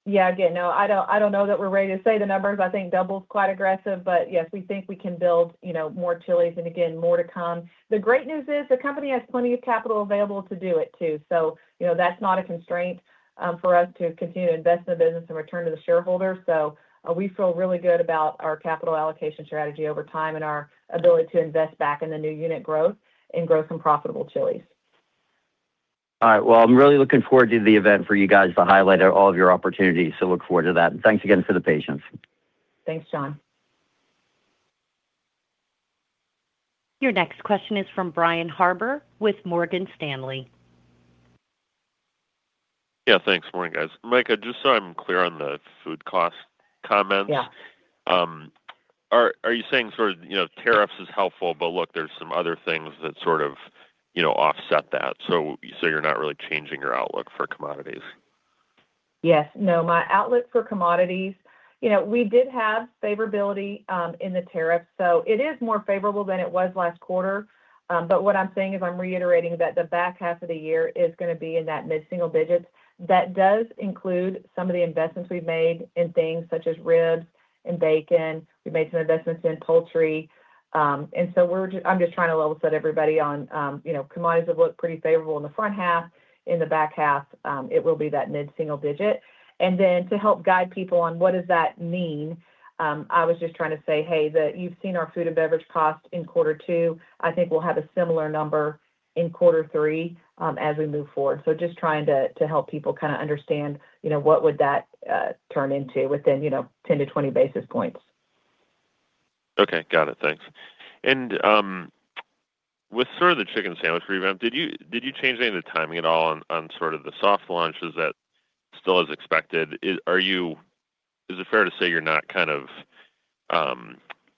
Yeah, again, no, I don't, I don't know that we're ready to say the numbers. I think double is quite aggressive, but yes, we think we can build, you know, more Chili's, and again, more to come. The great news is, the company has plenty of capital available to do it too. So, you know, that's not a constraint for us to continue to invest in the business and return to the shareholders. So we feel really good about our capital allocation strategy over time and our ability to invest back in the new unit growth and grow some profitable Chili's. All right. Well, I'm really looking forward to the event for you guys to highlight all of your opportunities, so look forward to that. Thanks again for the patience. Thanks, John. Your next question is from Brian Harbour, with Morgan Stanley. Yeah, thanks. Morning, guys. Mika, just so I'm clear on the food cost comments- Yeah. Are you saying sort of, you know, tariffs is helpful, but look, there's some other things that sort of, you know, offset that, so you're not really changing your outlook for commodities? Yes. No, my outlook for commodities. You know, we did have favorability in the tariffs, so it is more favorable than it was last quarter. But what I'm saying is I'm reiterating that the back half of the year is gonna be in that mid-single digits. That does include some of the investments we've made in things such as ribs and bacon. We made some investments in poultry. And so we're just. I'm just trying to level set everybody on, you know, commodities have looked pretty favorable in the front half. In the back half, it will be that mid-single digit. And then to help guide people on what does that mean, I was just trying to say, hey, that you've seen our food and beverage cost in quarter two. I think we'll have a similar number in quarter three as we move forward. So just trying to help people kinda understand, you know, what would that turn into within, you know, 10-20 basis points. ... Okay, got it. Thanks. And, with sort of the chicken sandwich revamp, did you, did you change any of the timing at all on, on sort of the soft launch? Is that still as expected? Is it fair to say you're not kind of,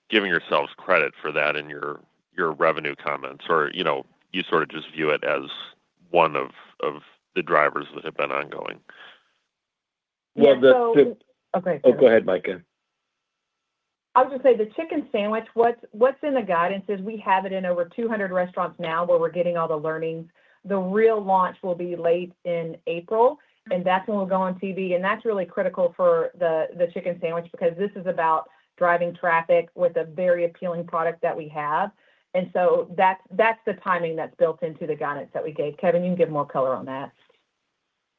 giving yourselves credit for that in your, your revenue comments, or, you know, you sort of just view it as one of, of the drivers that have been ongoing? Well, the- Yeah, so... Okay. Oh, go ahead, Mika. I'll just say the chicken sandwich, what's in the guidance is we have it in over 200 restaurants now, where we're getting all the learnings. The real launch will be late in April, and that's when we'll go on TV. And that's really critical for the chicken sandwich because this is about driving traffic with a very appealing product that we have. And so that's the timing that's built into the guidance that we gave. Kevin, you can give more color on that.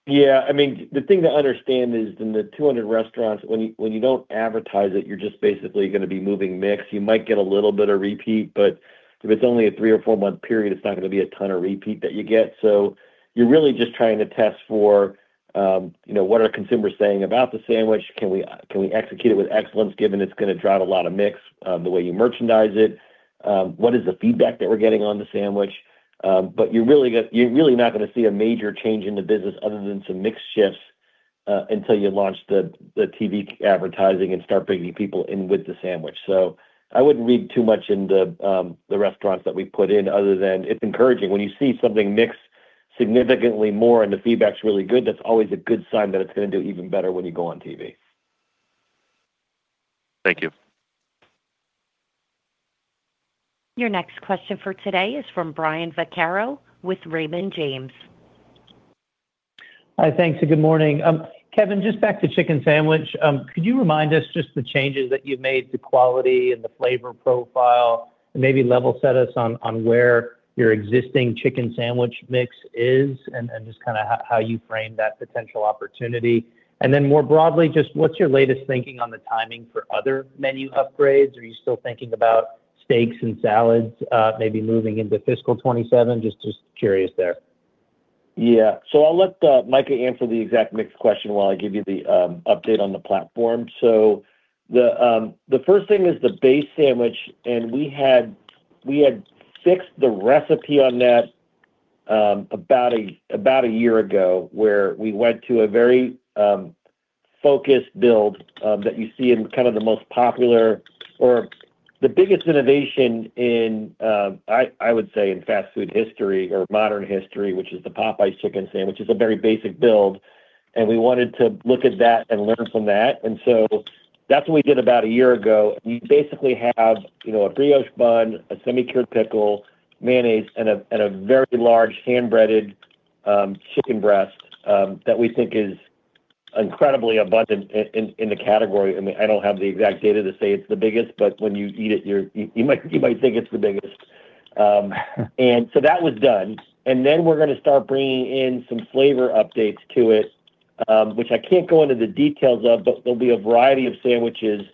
Yeah, I mean, the thing to understand is in the 200 restaurants, when you, when you don't advertise it, you're just basically gonna be moving mix. You might get a little bit of repeat, but if it's only a 3- or 4-month period, it's not gonna be a ton of repeat that you get. So you're really just trying to test for, you know, what are consumers saying about the sandwich? Can we, can we execute it with excellence, given it's gonna drive a lot of mix, the way you merchandise it? What is the feedback that we're getting on the sandwich? But you're really not gonna see a major change in the business other than some mix shifts, until you launch the, the TV advertising and start bringing people in with the sandwich. I wouldn't read too much into the restaurants that we put in other than it's encouraging. When you see something mix significantly more and the feedback's really good, that's always a good sign that it's gonna do even better when you go on TV. Thank you. Your next question for today is from Brian Vaccaro with Raymond James. Hi, thanks, and good morning. Kevin, just back to chicken sandwich, could you remind us just the changes that you've made to quality and the flavor profile, and maybe level set us on where your existing chicken sandwich mix is, and just kinda how you frame that potential opportunity? And then more broadly, just what's your latest thinking on the timing for other menu upgrades? Are you still thinking about steaks and salads, maybe moving into fiscal 2027? Just curious there. Yeah. So I'll let Mika answer the exact mix question while I give you the update on the platform. So the first thing is the base sandwich, and we fixed the recipe on that about a year ago, where we went to a very focused build that you see in kind of the most popular or the biggest innovation in, I would say, in fast food history or modern history, which is the Popeyes chicken sandwich, is a very basic build, and we wanted to look at that and learn from that. And so that's what we did about a year ago. We basically have, you know, a brioche bun, a semi-cured pickle, mayonnaise, and a very large hand-breaded chicken breast that we think is incredibly abundant in the category. I mean, I don't have the exact data to say it's the biggest, but when you eat it, you might think it's the biggest. And so that was done. And then we're gonna start bringing in some flavor updates to it, which I can't go into the details of, but there'll be a variety of sandwiches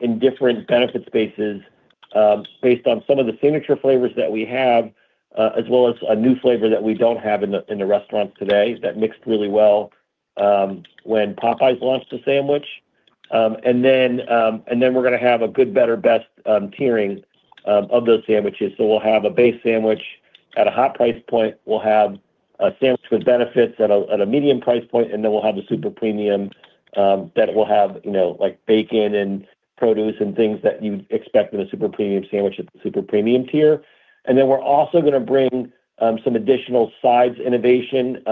in different benefit spaces, based on some of the signature flavors that we have, as well as a new flavor that we don't have in the restaurant today, that mixed really well when Popeyes launched a sandwich. And then we're gonna have a good, better, best tiering of those sandwiches. So we'll have a base sandwich at a hot price point. We'll have a sandwich with benefits at a medium price point, and then we'll have a super premium that will have, you know, like, bacon and produce and things that you'd expect in a super premium sandwich at the super premium tier. And then we're also gonna bring some additional sides innovation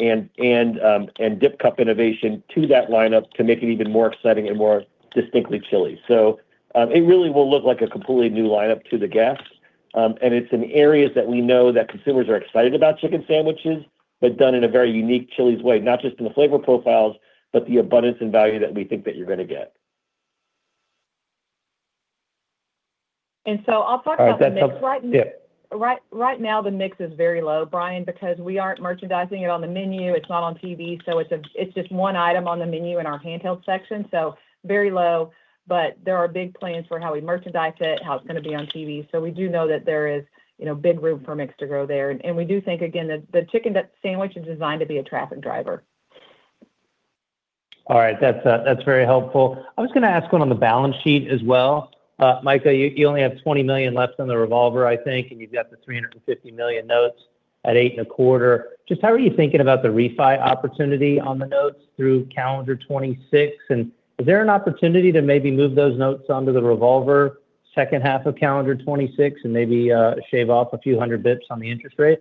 and dip cup innovation to that lineup to make it even more exciting and more distinctly Chili's. So, it really will look like a completely new lineup to the guests. And it's in areas that we know that consumers are excited about chicken sandwiches, but done in a very unique Chili's way, not just in the flavor profiles, but the abundance and value that we think that you're gonna get. I'll talk about- All right. That sounds- - the mix. Yeah. Right, right now, the mix is very low, Brian, because we aren't merchandising it on the menu. It's not on TV, so it's just one item on the menu in our handheld section, so very low, but there are big plans for how we merchandise it, how it's gonna be on TV. So we do know that there is, you know, big room for mix to grow there. And we do think, again, that the chicken sandwich is designed to be a traffic driver. All right. That's very helpful. I was gonna ask one on the balance sheet as well. Mika, you only have $20 million left on the revolver, I think, and you've got the $350 million notes at 8.25%. Just how are you thinking about the refi opportunity on the notes through calendar 2026? And is there an opportunity to maybe move those notes onto the revolver, second half of calendar 2026, and maybe shave off a few hundred bits on the interest rate?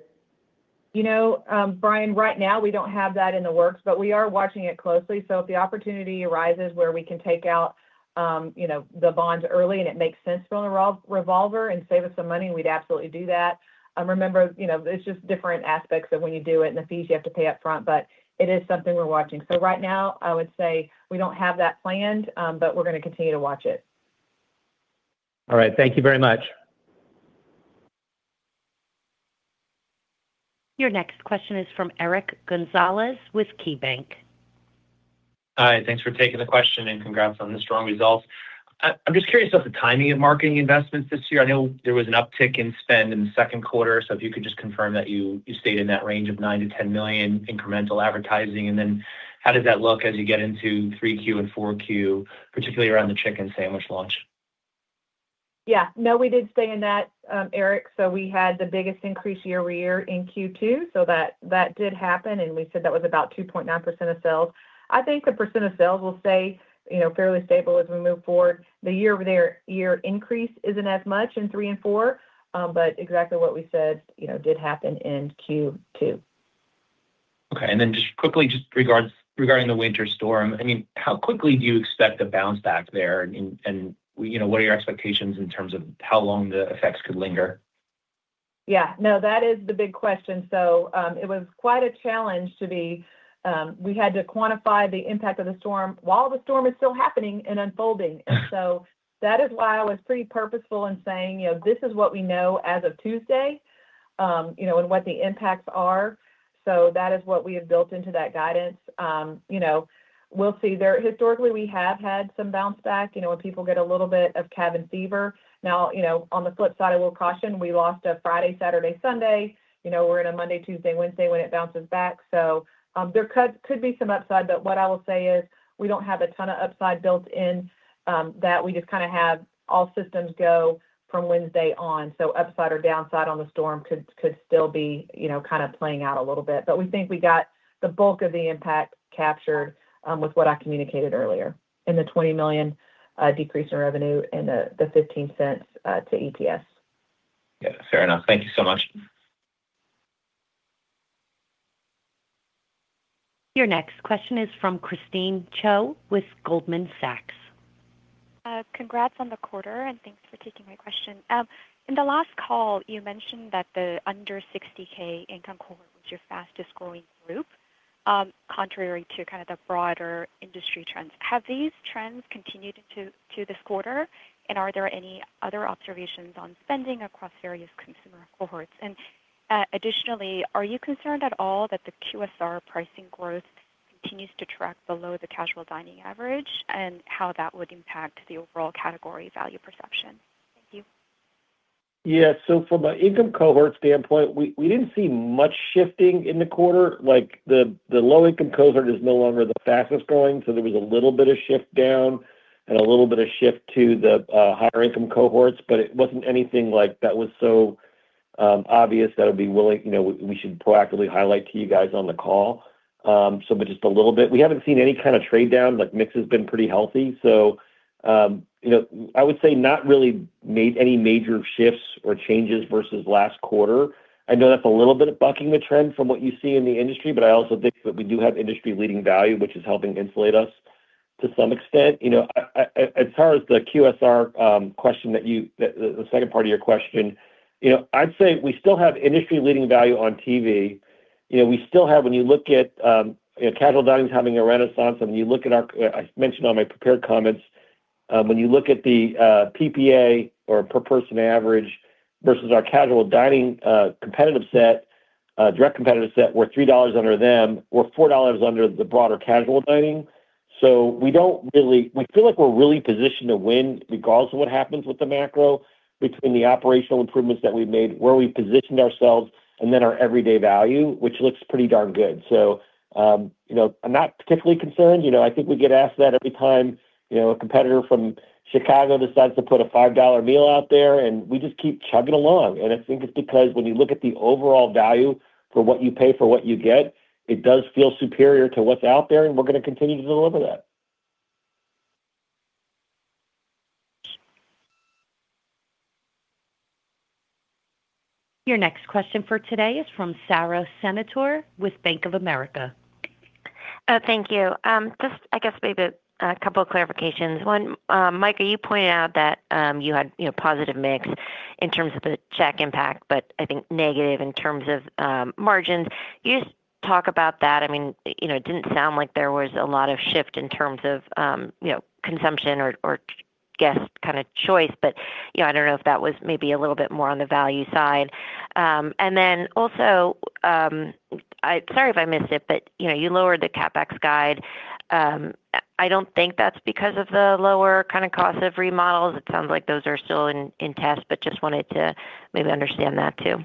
You know, Brian, right now, we don't have that in the works, but we are watching it closely. So if the opportunity arises where we can take out, you know, the bonds early and it makes sense for the revolver and save us some money, we'd absolutely do that. Remember, you know, there's just different aspects of when you do it and the fees you have to pay up front, but it is something we're watching. So right now, I would say we don't have that planned, but we're gonna continue to watch it. All right. Thank you very much. Your next question is from Eric Gonzalez with KeyBanc. Hi, thanks for taking the question, and congrats on the strong results. I'm just curious about the timing of marketing investments this year. I know there was an uptick in spend in the second quarter, so if you could just confirm that you stayed in that range of $9 million-$10 million incremental advertising. And then how does that look as you get into 3Q and 4Q, particularly around the chicken sandwich launch?... Yeah. No, we did stay in that, Eric. So we had the biggest increase year-over-year in Q2. So that did happen, and we said that was about 2.9% of sales. I think the percent of sales will stay, you know, fairly stable as we move forward. The year-over-year increase isn't as much in three and four, but exactly what we said, you know, did happen in Q2. Okay. And then just quickly, just regarding the winter storm, I mean, how quickly do you expect a bounce back there? And, you know, what are your expectations in terms of how long the effects could linger? Yeah. No, that is the big question. So, it was quite a challenge -- we had to quantify the impact of the storm while the storm is still happening and unfolding. And so that is why I was pretty purposeful in saying, you know, this is what we know as of Tuesday, you know, and what the impacts are. So that is what we have built into that guidance. You know, we'll see. Historically, we have had some bounce back, you know, when people get a little bit of cabin fever. Now, you know, on the flip side, I will caution, we lost a Friday, Saturday, Sunday. You know, we're in a Monday, Tuesday, Wednesday when it bounces back. So, there could be some upside, but what I will say is, we don't have a ton of upside built in, that we just kinda have all systems go from Wednesday on, so upside or downside on the storm could still be, you know, kind of playing out a little bit. But we think we got the bulk of the impact captured, with what I communicated earlier in the $20 million decrease in revenue and the $0.15 to EPS. Yeah, fair enough. Thank you so much. Your next question is from Christine Cho with Goldman Sachs. Congrats on the quarter, and thanks for taking my question. In the last call, you mentioned that the under 60K income cohort was your fastest growing group, contrary to kind of the broader industry trends. Have these trends continued into this quarter, and are there any other observations on spending across various consumer cohorts? Additionally, are you concerned at all that the QSR pricing growth continues to track below the casual dining average, and how that would impact the overall category value perception? Thank you. Yeah. So from an income cohort standpoint, we didn't see much shifting in the quarter. Like, the low-income cohort is no longer the fastest growing, so there was a little bit of shift down and a little bit of shift to the higher income cohorts, but it wasn't anything like that was so obvious that it would be willing, you know, we should proactively highlight to you guys on the call, so but just a little bit. We haven't seen any kind of trade down, like, mix has been pretty healthy. So, you know, I would say not really made any major shifts or changes versus last quarter. I know that's a little bit of bucking the trend from what you see in the industry, but I also think that we do have industry-leading value, which is helping insulate us to some extent. You know, as far as the QSR question that you—the second part of your question, you know, I'd say we still have industry-leading value on TV. You know, we still have when you look at, you know, casual dining is having a renaissance, and when you look at our—I mentioned on my prepared comments, when you look at the PPA or per person average versus our casual dining competitive set, direct competitive set, we're $3 under them. We're $4 under the broader casual dining. So we don't really—we feel like we're really positioned to win regardless of what happens with the macro, between the operational improvements that we've made, where we've positioned ourselves, and then our everyday value, which looks pretty darn good. So, you know, I'm not particularly concerned. You know, I think we get asked that every time, you know, a competitor from Chicago decides to put a $5 meal out there, and we just keep chugging along. And I think it's because when you look at the overall value for what you pay for what you get, it does feel superior to what's out there, and we're gonna continue to deliver that. Your next question for today is from Sara Senatore with Bank of America. Thank you. Just, I guess, maybe a couple of clarifications. One, Mika, you pointed out that, you know, positive mix in terms of the check impact, but I think negative in terms of margins. Can you just talk about that? I mean, you know, it didn't sound like there was a lot of shift in terms of, you know, consumption or guest kind of choice, but, you know, I don't know if that was maybe a little bit more on the value side. And then also, sorry if I missed it, but, you know, you lowered the CapEx guide. I don't think that's because of the lower kind of cost of remodels. It sounds like those are still in test, but just wanted to maybe understand that, too.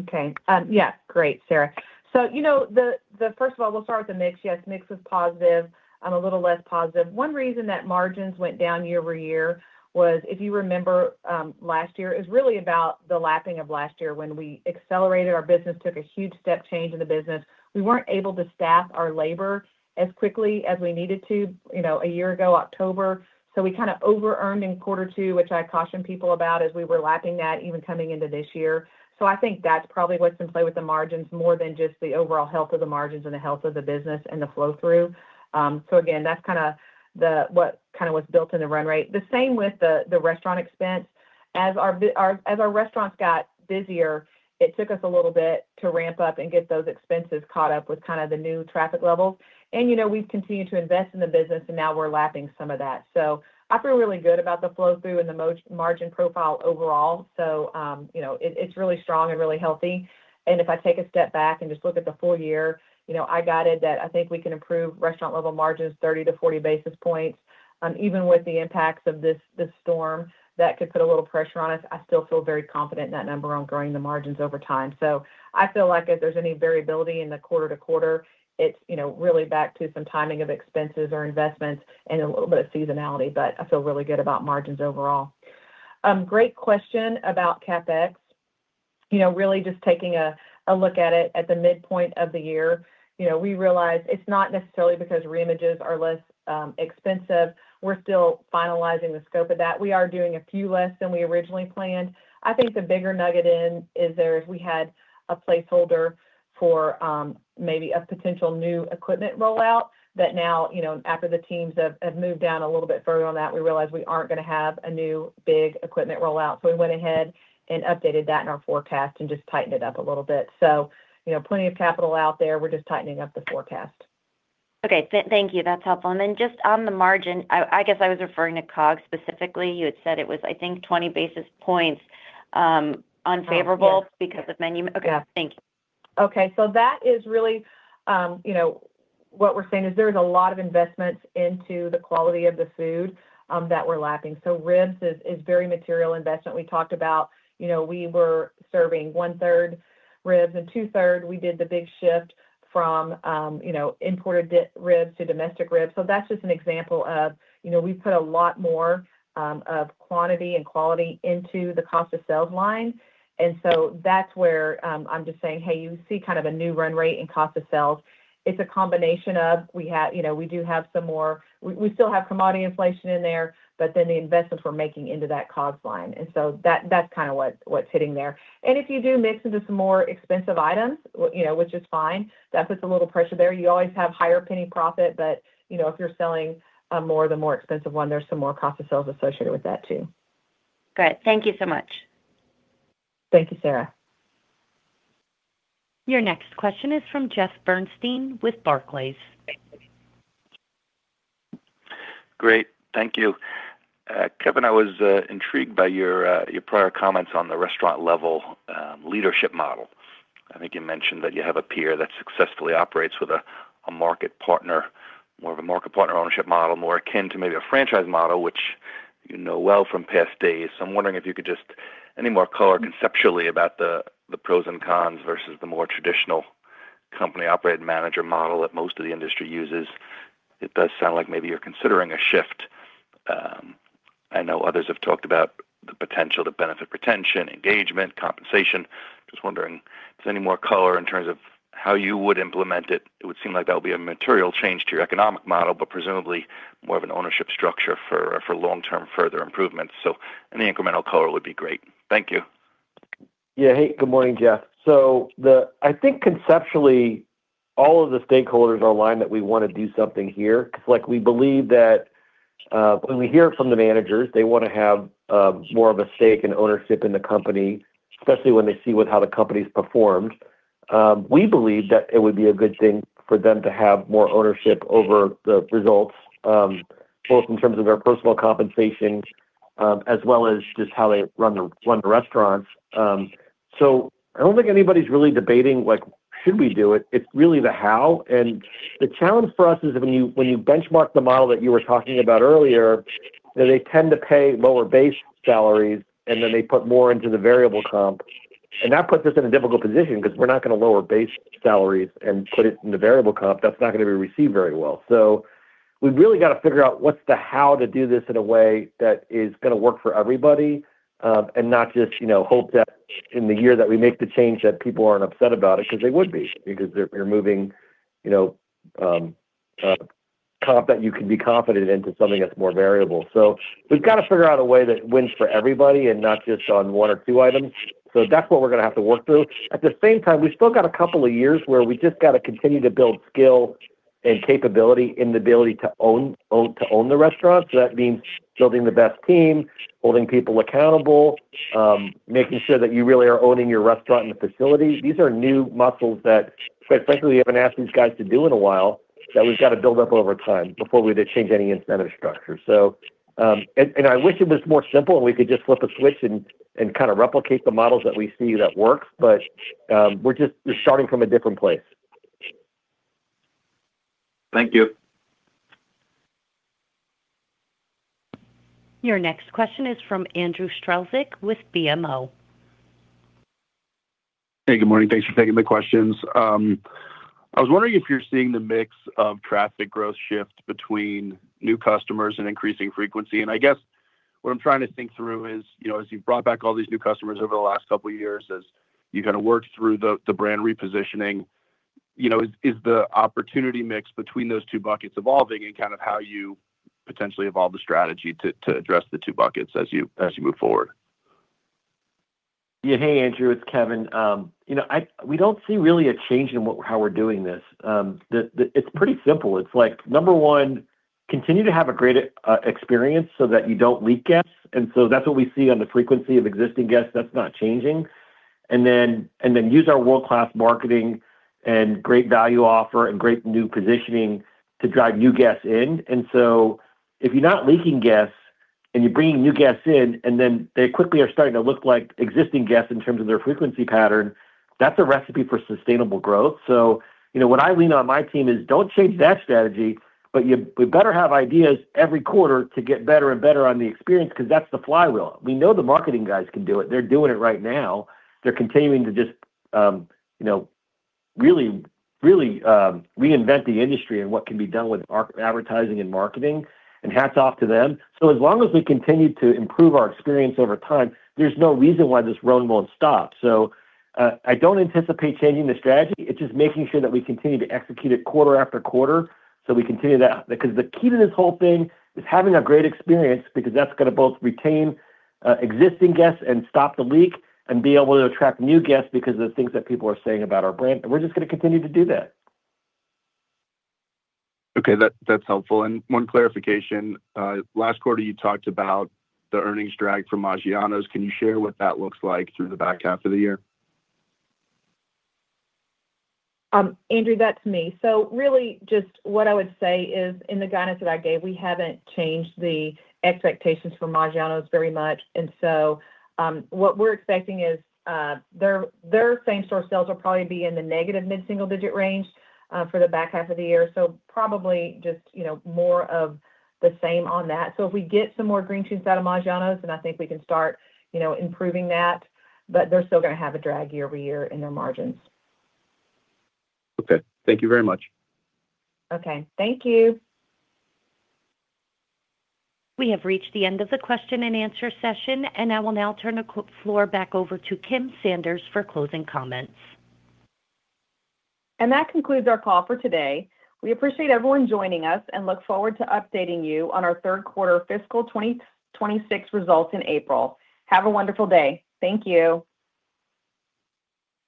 Okay. Yeah, great, Sara. So, you know, the first of all, we'll start with the mix. Yes, mix is positive and a little less positive. One reason that margins went down year-over-year was, if you remember, last year, is really about the lapping of last year when we accelerated our business, took a huge step change in the business. We weren't able to staff our labor as quickly as we needed to, you know, a year ago, October. So we kinda overearned in quarter two, which I cautioned people about as we were lapping that even coming into this year. So I think that's probably what's in play with the margins, more than just the overall health of the margins and the health of the business and the flow-through. So again, that's kinda the-- what kinda was built in the run rate. The same with the restaurant expense. As our restaurants got busier, it took us a little bit to ramp up and get those expenses caught up with kinda the new traffic levels. And, you know, we've continued to invest in the business, and now we're lapping some of that. So I feel really good about the flow-through and the margin profile overall. So, you know, it, it's really strong and really healthy. And if I take a step back and just look at the full year, you know, I guided that I think we can improve restaurant-level margins, 30-40 basis points. Even with the impacts of this storm, that could put a little pressure on us, I still feel very confident in that number on growing the margins over time. So I feel like if there's any variability in the quarter to quarter, it's, you know, really back to some timing of expenses or investments and a little bit of seasonality, but I feel really good about margins overall. Great question about CapEx.... you know, really just taking a look at it at the midpoint of the year. You know, we realized it's not necessarily because reimages are less expensive. We're still finalizing the scope of that. We are doing a few less than we originally planned. I think the bigger nugget in is there, we had a placeholder for maybe a potential new equipment rollout, that now, you know, after the teams have moved down a little bit further on that, we realized we aren't gonna have a new big equipment rollout. So we went ahead and updated that in our forecast and just tightened it up a little bit. So, you know, plenty of capital out there. We're just tightening up the forecast. Okay. Thank you. That's helpful. And then just on the margin, I guess I was referring to COGS specifically. You had said it was, I think, 20 basis points, unfavorable- Yes. -because of menu. Yeah. Okay, thank you. Okay, so that is really, you know, what we're saying is there is a lot of investments into the quality of the food that we're lacking. So ribs is very material investment. We talked about, you know, we were serving 1/3 ribs and 2/3. We did the big shift from, you know, imported ribs to domestic ribs. So that's just an example of, you know, we put a lot more of quantity and quality into the cost of sales line. And so that's where, I'm just saying, hey, you see kind of a new run rate in cost of sales. It's a combination of we have, you know, we do have some more—we still have commodity inflation in there, but then the investments we're making into that cost line. And so that, that's kind of what what's hitting there. If you do mix into some more expensive items, you know, which is fine, that puts a little pressure there. You always have higher penny profit, but, you know, if you're selling more of the more expensive one, there's some more cost of sales associated with that, too. Great. Thank you so much. Thank you, Sara. Your next question is from Jeff Bernstein with Barclays. Great. Thank you. Kevin, I was intrigued by your prior comments on the restaurant level leadership model. I think you mentioned that you have a peer that successfully operates with a market partner, more of a market partner ownership model, more akin to maybe a franchise model, which you know well from past days. So I'm wondering if you could just any more color conceptually about the pros and cons versus the more traditional company operated manager model that most of the industry uses. It does sound like maybe you're considering a shift. I know others have talked about the potential to benefit retention, engagement, compensation. Just wondering, is there any more color in terms of how you would implement it? It would seem like that would be a material change to your economic model, but presumably more of an ownership structure for, for long-term further improvements. So any incremental color would be great. Thank you. Yeah. Hey, good morning, Jeff. So, I think conceptually, all of the stakeholders are aligned that we want to do something here. Because, like, we believe that when we hear it from the managers, they want to have more of a stake and ownership in the company, especially when they see with how the company's performed. We believe that it would be a good thing for them to have more ownership over the results, both in terms of their personal compensation, as well as just how they run the restaurants. So, I don't think anybody's really debating, like, should we do it? It's really the how. The challenge for us is when you benchmark the model that you were talking about earlier, that they tend to pay lower base salaries, and then they put more into the variable comp. That puts us in a difficult position because we're not gonna lower base salaries and put it in the variable comp. That's not gonna be received very well. So we've really got to figure out what's the how to do this in a way that is gonna work for everybody, and not just, you know, hope that in the year that we make the change, that people aren't upset about it, because they would be, because you're moving, you know, comp that you can be confident into something that's more variable. So we've got to figure out a way that wins for everybody and not just on one or two items. So that's what we're gonna have to work through. At the same time, we still got a couple of years where we just got to continue to build skill and capability and the ability to own, own, to own the restaurant. So that means building the best team, holding people accountable, making sure that you really are owning your restaurant and the facility. These are new muscles that, quite frankly, we haven't asked these guys to do in a while, that we've got to build up over time before we change any incentive structure. So, I wish it was more simple, and we could just flip a switch and kind of replicate the models that we see that work, but we're just starting from a different place. Thank you. Your next question is from Andrew Strelzik with BMO. Hey, good morning. Thanks for taking the questions. I was wondering if you're seeing the mix of traffic growth shift between new customers and increasing frequency. And I guess what I'm trying to think through is, you know, as you've brought back all these new customers over the last couple of years, as you kind of work through the brand repositioning, you know, is the opportunity mix between those two buckets evolving and kind of how you potentially evolve the strategy to address the two buckets as you move forward? Yeah. Hey, Andrew, it's Kevin. You know, we don't see really a change in how we're doing this. The, it's pretty simple. It's like, number one, continue to have a great experience so that you don't leak guests. And so that's what we see on the frequency of existing guests. That's not changing. And then use our world-class marketing and great value offer and great new positioning to drive new guests in. And so if you're not leaking guests, and you're bringing new guests in, and then they quickly are starting to look like existing guests in terms of their frequency pattern, that's a recipe for sustainable growth. So, you know, what I lean on my team is: Don't change that strategy, but we better have ideas every quarter to get better and better on the experience, because that's the flywheel. We know the marketing guys can do it. They're doing it right now. They're continuing to just, you know, really, really, reinvent the industry and what can be done with our advertising and marketing, and hats off to them. So as long as we continue to improve our experience over time, there's no reason why this run won't stop. So, I don't anticipate changing the strategy. It's just making sure that we continue to execute it quarter after quarter, so we continue that. Because the key to this whole thing is having a great experience, because that's gonna both retain existing guests and stop the leak and be able to attract new guests because of the things that people are saying about our brand, and we're just gonna continue to do that. Okay, that's helpful. One clarification. Last quarter, you talked about the earnings drag from Maggiano's. Can you share what that looks like through the back half of the year? Andrew, that's me. So really, just what I would say is, in the guidance that I gave, we haven't changed the expectations for Maggiano's very much. And so, what we're expecting is, their same-store sales will probably be in the negative mid-single digit range, for the back half of the year. So probably just, you know, more of the same on that. So if we get some more green shoots out of Maggiano's, then I think we can start, you know, improving that, but they're still gonna have a drag year-over-year in their margins. Okay. Thank you very much. Okay. Thank you. We have reached the end of the question and answer session, and I will now turn the floor back over to Kim Sanders for closing comments. That concludes our call for today. We appreciate everyone joining us, and look forward to updating you on our third quarter fiscal 2026 results in April. Have a wonderful day. Thank you.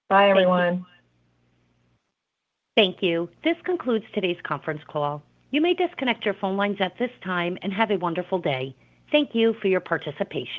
Bye, everyone. Thank you. This concludes today's conference call. You may disconnect your phone lines at this time, and have a wonderful day. Thank you for your participation.